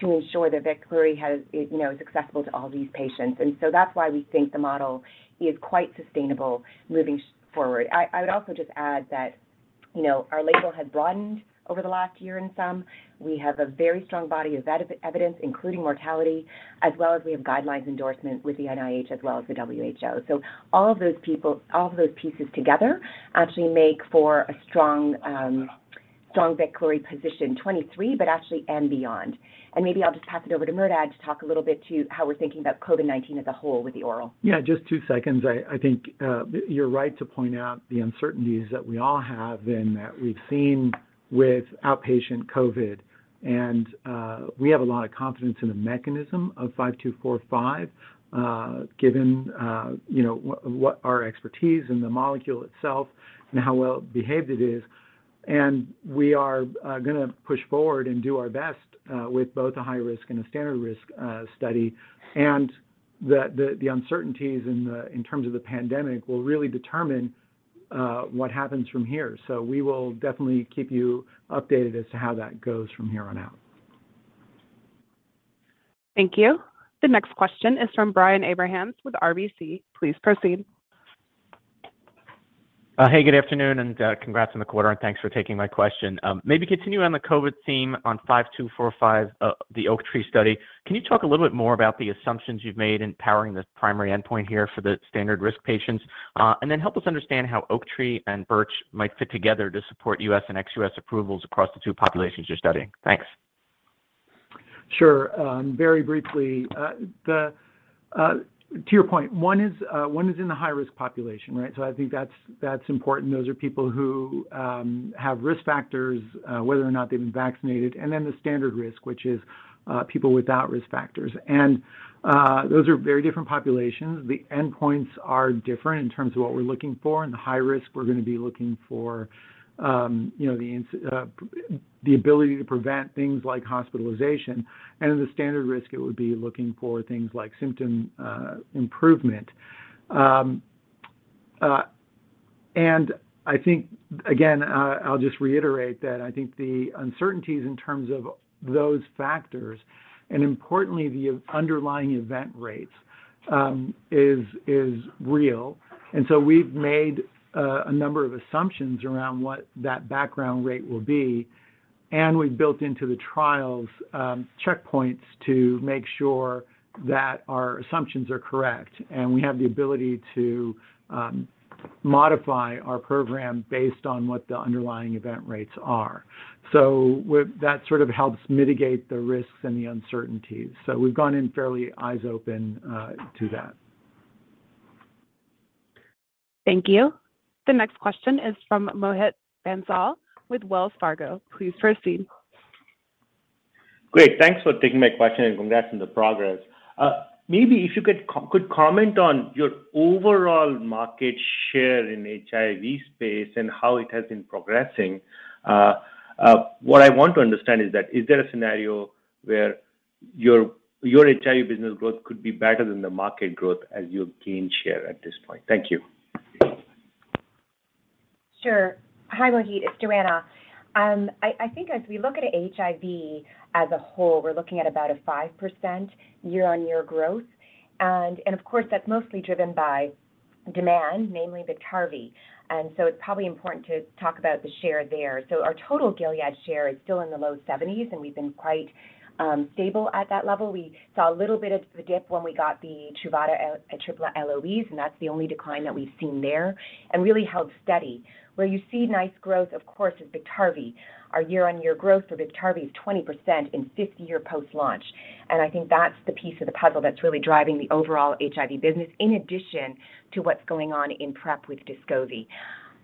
to ensure that Veklury has, you know, is accessible to all these patients. That's why we think the model is quite sustainable moving forward. I would also just add that, you know, our label has broadened over the last year in sum. We have a very strong body of evidence, including mortality, as well as we have guidelines endorsement with the NIH as well as the WHO. All of those pieces together actually make for a strong Veklury position in 23, but actually and beyond. Maybe I'll just pass it over to Merdad to talk a little bit to how we're thinking about COVID-19 as a whole with the oral. Yeah, just two seconds. I think, you're right to point out the uncertainties that we all have and that we've seen with outpatient COVID. We have a lot of confidence in the mechanism of GS-5245, given, you know, what our expertise in the molecule itself and how well behaved it is. We are, gonna push forward and do our best, with both a high risk and a standard risk, study. The uncertainties in terms of the pandemic will really determine, what happens from here. We will definitely keep you updated as to how that goes from here on out. Thank you. The next question is from Brian Abrahams with RBC. Please proceed. Hey, good afternoon, and congrats on the quarter, and thanks for taking my question. Maybe continuing on the COVID theme on 5245, the OAKTREE study, can you talk a little bit more about the assumptions you've made in powering this primary endpoint here for the standard risk patients? Then help us understand how OAKTREE and BIRCH might fit together to support U.S. and ex-US approvals across the two populations you're studying. Thanks. Sure. Very briefly, to your point, one is in the high-risk population, right? I think that's important. Those are people who have risk factors, whether or not they've been vaccinated. The standard risk, which is people without risk factors. Those are very different populations. The endpoints are different in terms of what we're looking for. In the high risk, we're gonna be looking for, you know, the ability to prevent things like hospitalization. In the standard risk, it would be looking for things like symptom improvement. I think, again, I'll just reiterate that I think the uncertainties in terms of those factors and importantly, the underlying event rates, is real. We've made a number of assumptions around what that background rate will be, and we've built into the trials, checkpoints to make sure that our assumptions are correct. We have the ability to modify our program based on what the underlying event rates are. That sort of helps mitigate the risks and the uncertainties. We've gone in fairly eyes open to that. Thank you. The next question is from Mohit Bansal with Wells Fargo. Please proceed. Great. Thanks for taking my question, and congrats on the progress. maybe if you could comment on your overall market share in HIV space and how it has been progressing. what I want to understand is that is there a scenario where your HIV business growth could be better than the market growth as you gain share at this point? Thank you. Sure. Hi, Mohit. It's Johanna. I think as we look at HIV as a whole, we're looking at about a 5% year-on-year growth. Of course, that's mostly driven by demand, namely Biktarvy. It's probably important to talk about the share there. Our total Gilead share is still in the low 70s, and we've been quite stable at that level. We saw a little bit of the dip when we got the Truvada Atripla LOEs, and that's the only decline that we've seen there, and really held steady. Where you see nice growth, of course, is Biktarvy. Our year-on-year growth for Biktarvy is 20% and 50-year post-launch. I think that's the piece of the puzzle that's really driving the overall HIV business in addition to what's going on in PrEP with Descovy.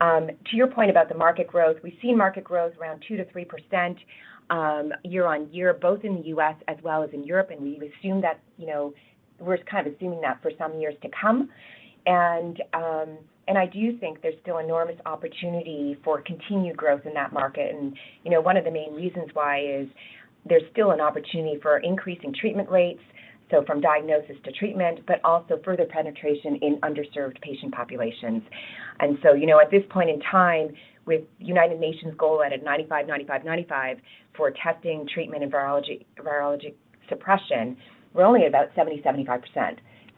To your point about the market growth, we see market growth around 2%-3% year-on-year, both in the U.S. as well as in Europe. We've assumed that, you know, we're kind of assuming that for some years to come. I do think there's still enormous opportunity for continued growth in that market. You know, one of the main reasons why is there's still an opportunity for increasing treatment rates, so from diagnosis to treatment, but also further penetration in underserved patient populations. You know, at this point in time, with United Nations goal at a 95-95-95 for testing, treatment, and virologic suppression, we're only about 70%-75%.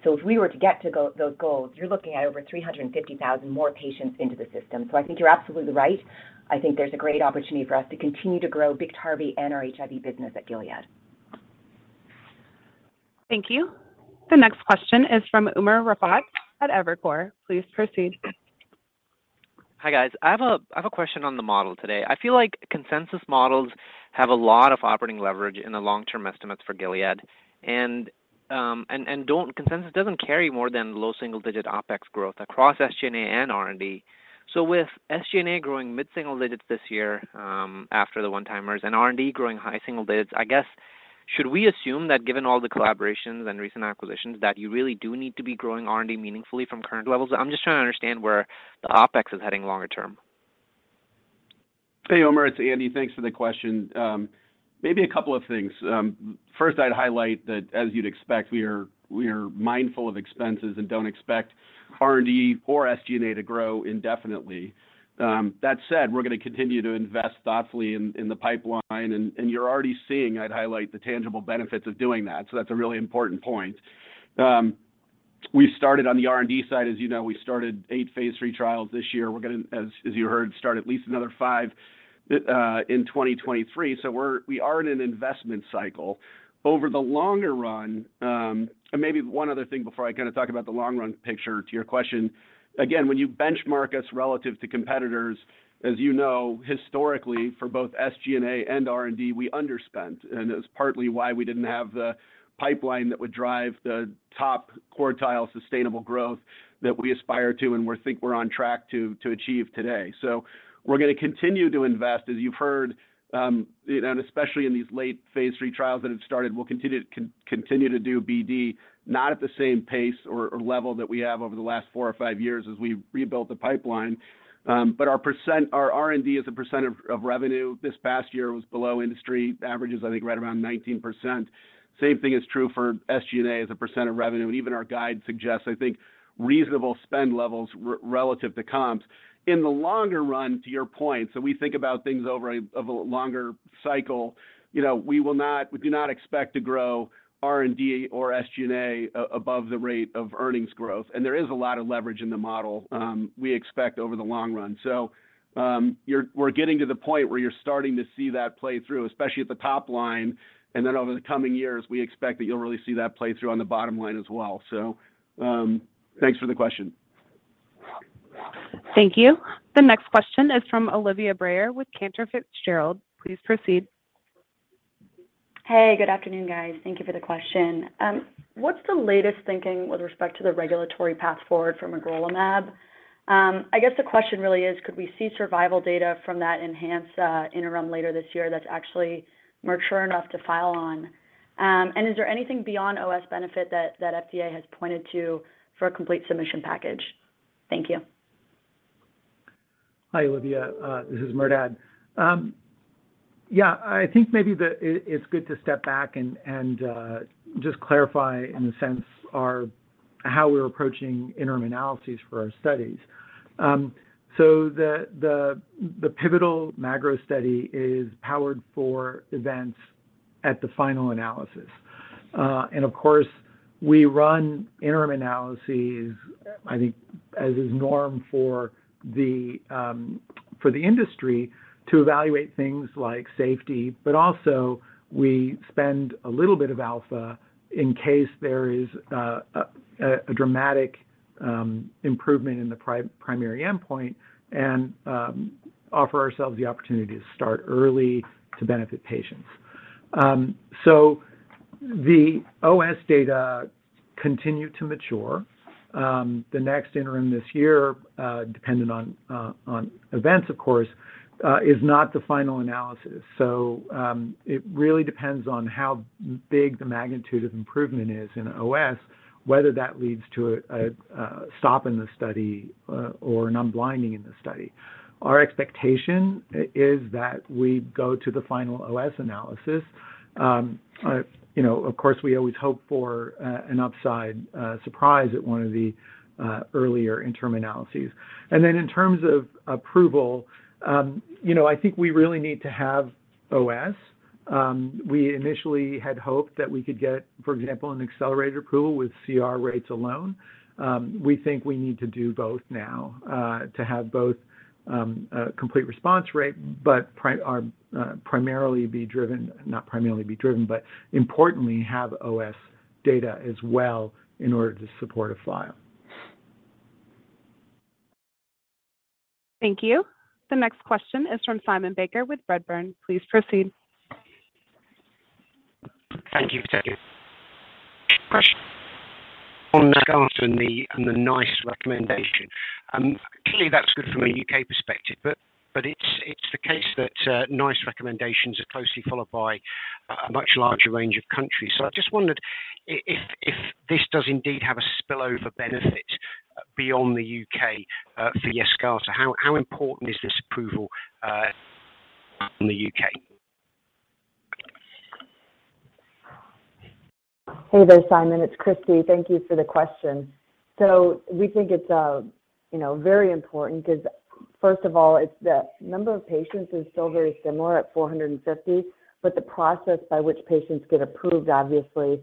If we were to get to those goals, you're looking at over 350,000 more patients into the system. I think you're absolutely right. I think there's a great opportunity for us to continue to grow Biktarvy and our HIV business at Gilead. Thank you. The next question is from Umer Raffat at Evercore. Please proceed. Hi, guys. I have a question on the model today. I feel like consensus models have a lot of operating leverage in the long-term estimates for Gilead. Consensus doesn't carry more than low single-digit OpEx growth across SG&A and R&D. With SG&A growing mid single digits this year, after the one-timers and R&D growing high single digits, I guess, should we assume that given all the collaborations and recent acquisitions, that you really do need to be growing R&D meaningfully from current levels? I'm just trying to understand where the OpEx is heading longer term. Hey, Umer, it's Andy. Thanks for the question. Maybe a couple of things. First, I'd highlight that as you'd expect, we are mindful of expenses and don't expect R&D or SG&A to grow indefinitely. That said, we're gonna continue to invest thoughtfully in the pipeline, and you're already seeing, I'd highlight, the tangible benefits of doing that. That's a really important point. We started on the R&D side, as you know, we started eight phase III trials this year. We're gonna, as you heard, start at least another five in 2023. We are in an investment cycle. Over the longer run, and maybe one other thing before I kinda talk about the long-run picture to your question. When you benchmark us relative to competitors, as you know, historically for both SG&A and R&D, we underspent, and it was partly why we didn't have the pipeline that would drive the top quartile sustainable growth that we aspire to and we think we're on track to achieve today. We're gonna continue to invest, as you've heard, and especially in these late phase III trials that have started. We'll continue to continue to do BD, not at the same pace or level that we have over the last four or five years as we rebuilt the pipeline. Our R&D as a percent of revenue this past year was below industry averages, I think right around 19%. Same thing is true for SG&A as a percent of revenue. Even our guide suggests, I think, reasonable spend levels relative to comps. In the longer run, to your point, so we think about things over a longer cycle, you know, we do not expect to grow R&D or SG&A above the rate of earnings growth. There is a lot of leverage in the model, we expect over the long run. We're getting to the point where you're starting to see that play through, especially at the top line. Then over the coming years, we expect that you'll really see that play through on the bottom line as well. Thanks for the question. Thank you. The next question is from Olivia Brayer with Cantor Fitzgerald. Please proceed. Hey, good afternoon, guys. Thank you for the question. What's the latest thinking with respect to the regulatory path forward for magrolimab? I guess the question really is, could we see survival data from that ENHANCE interim later this year that's actually mature enough to file on? Is there anything beyond OS benefit that FDA has pointed to for a complete submission package? Thank you. Hi, Olivia. This is Merdad. yeah, I think maybe it's good to step back and just clarify in a sense how we're approaching interim analyses for our studies. The pivotal magrolimab study is powered for events at the final analysis. Of course, we run interim analyses, I think as is norm for the industry to evaluate things like safety, but also we spend a little bit of alpha in case there is a dramatic improvement in the primary endpoint and offer ourselves the opportunity to start early to benefit patients. The OS data continue to mature. The next interim this year, dependent on events, of course, is not the final analysis. It really depends on how big the magnitude of improvement is in OS, whether that leads to a stop in the study or an unblinding in the study. Our expectation is that we go to the final OS analysis. You know, of course, we always hope for an upside surprise at one of the earlier interim analyses. In terms of approval, you know, I think we really need to have OS. We initially had hoped that we could get, for example, an accelerated approval with CR rates alone. We think we need to do both now to have both a complete response rate, but importantly have OS data as well in order to support a file. Thank you. The next question is from Simon Baker with Redburn. Please proceed. Thank you for taking question on the Yescarta and the NICE recommendation. Clearly that's good from a U.K. perspective, but it's the case that NICE recommendations are closely followed by a much larger range of countries. I just wondered if this does indeed have a spillover benefit beyond the U.K. for Yescarta? How important is this approval from the U.K.? Hey there, Simon. It's Christi. Thank you for the question. We think it's, you know, very important 'cause, first of all, it's the number of patients is still very similar at 450, but the process by which patients get approved, obviously,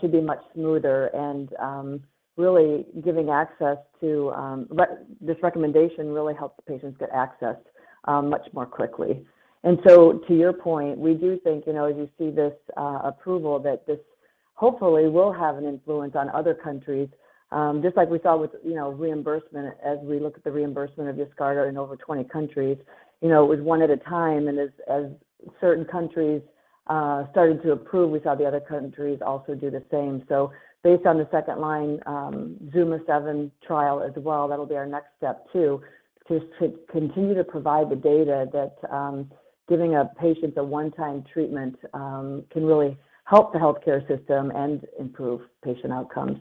should be much smoother and really giving access to this recommendation really helps the patients get access much more quickly. To your point, we do think, you know, as you see this approval that this hopefully will have an influence on other countries, just like we saw with, you know, reimbursement as we look at the reimbursement of Yescarta in over 20 countries. You know, it was 1 at a time, and as certain countries started to approve, we saw the other countries also do the same. Based on the second line, ZUMA-7 trial as well, that'll be our next step too, to continue to provide the data that, giving a patient a one-time treatment, can really help the healthcare system and improve patient outcomes.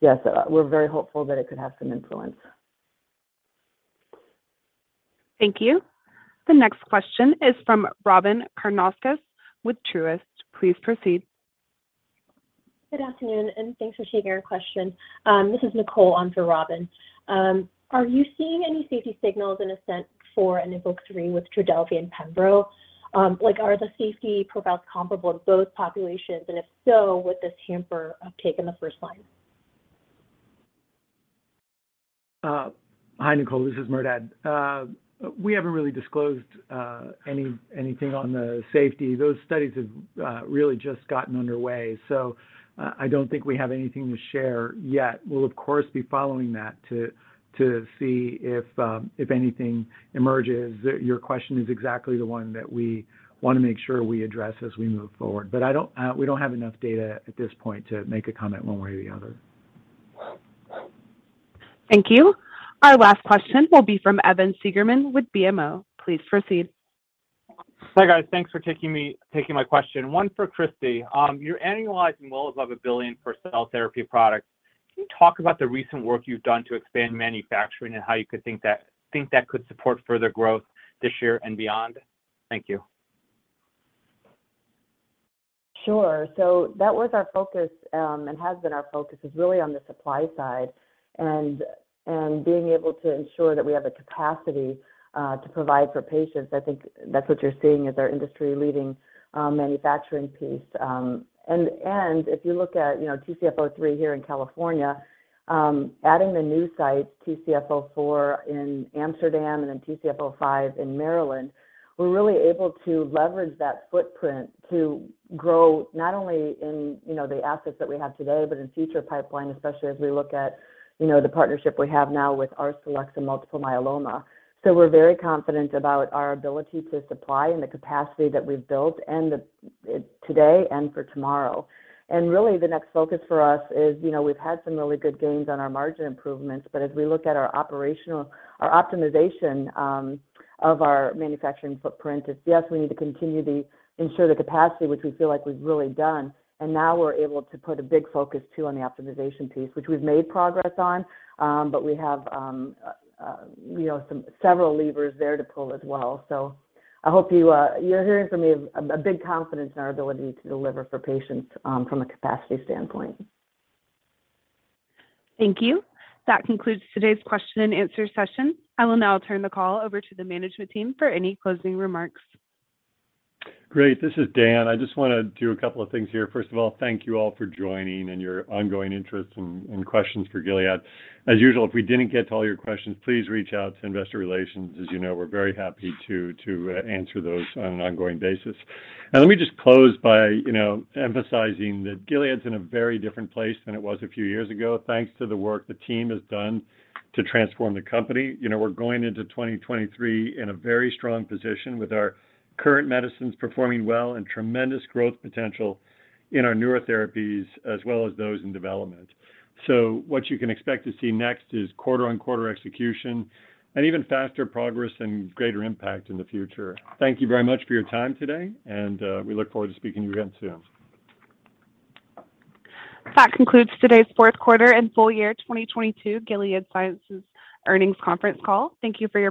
Yes, we're very hopeful that it could have some influence. Thank you. The next question is from Robyn Karnauskas with Truist. Please proceed. Good afternoon, thanks for taking our question. This is Nicole on for Robyn. Are you seeing any safety signals in in a sense for a Level 3 with Trodelvy and pembro? Like, are the safety profiles comparable to both populations, and if so, would this hamper uptake in the first line? Hi, Nicole. This is Merdad. We haven't really disclosed anything on the safety. Those studies have really just gotten underway. I don't think we have anything to share yet. We'll of course be following that to see if anything emerges. Your question is exactly the one that we wanna make sure we address as we move forward. I don't, we don't have enough data at this point to make a comment one way or the other. Thank you. Our last question will be from Evan Seigerman with BMO. Please proceed. Hi, guys. Thanks for taking my question. One for Christi. You're annualizing well above $1 billion for cell therapy products. Can you talk about the recent work you've done to expand manufacturing and how you could think that could support further growth this year and beyond? Thank you. Sure. That was our focus, and has been our focus, is really on the supply side and being able to ensure that we have the capacity to provide for patients. I think that's what you're seeing is our industry-leading manufacturing piece. And if you look at, you know, TCF03 here in California, adding the new site, TCF04 in Amsterdam and then TCF05 in Maryland, we're really able to leverage that footprint to grow not only in, you know, the assets that we have today, but in future pipeline, especially as we look at, you know, the partnership we have now with Arcellx multiple myeloma. We're very confident about our ability to supply and the capacity that we've built today and for tomorrow. Really the next focus for us is, you know, we've had some really good gains on our margin improvements, but as we look at our optimization of our manufacturing footprint, it's yes, we need to continue the ensure the capacity, which we feel like we've really done, and now we're able to put a big focus too on the optimization piece, which we've made progress on, but we have, you know, several levers there to pull as well. I hope you're hearing from me a big confidence in our ability to deliver for patients from a capacity standpoint. Thank you. That concludes today's question and answer session. I will now turn the call over to the management team for any closing remarks. Great. This is Dan. I just want to do a couple of things here. First of all, thank you all for joining and your ongoing interest and questions for Gilead. As usual, if we didn't get to all your questions, please reach out to investor relations. As you know, we're very happy to answer those on an ongoing basis. Let me just close by, you know, emphasizing that Gilead's in a very different place than it was a few years ago, thanks to the work the team has done to transform the company. You know, we're going into 2023 in a very strong position with our current medicines performing well and tremendous growth potential in our neurotherapies as well as those in development. What you can expect to see next is quarter-on-quarter execution and even faster progress and greater impact in the future. Thank you very much for your time today, and, we look forward to speaking to you again soon. That concludes today's fourth quarter and full year 2022 Gilead Sciences Earnings Conference Call. Thank you for your participation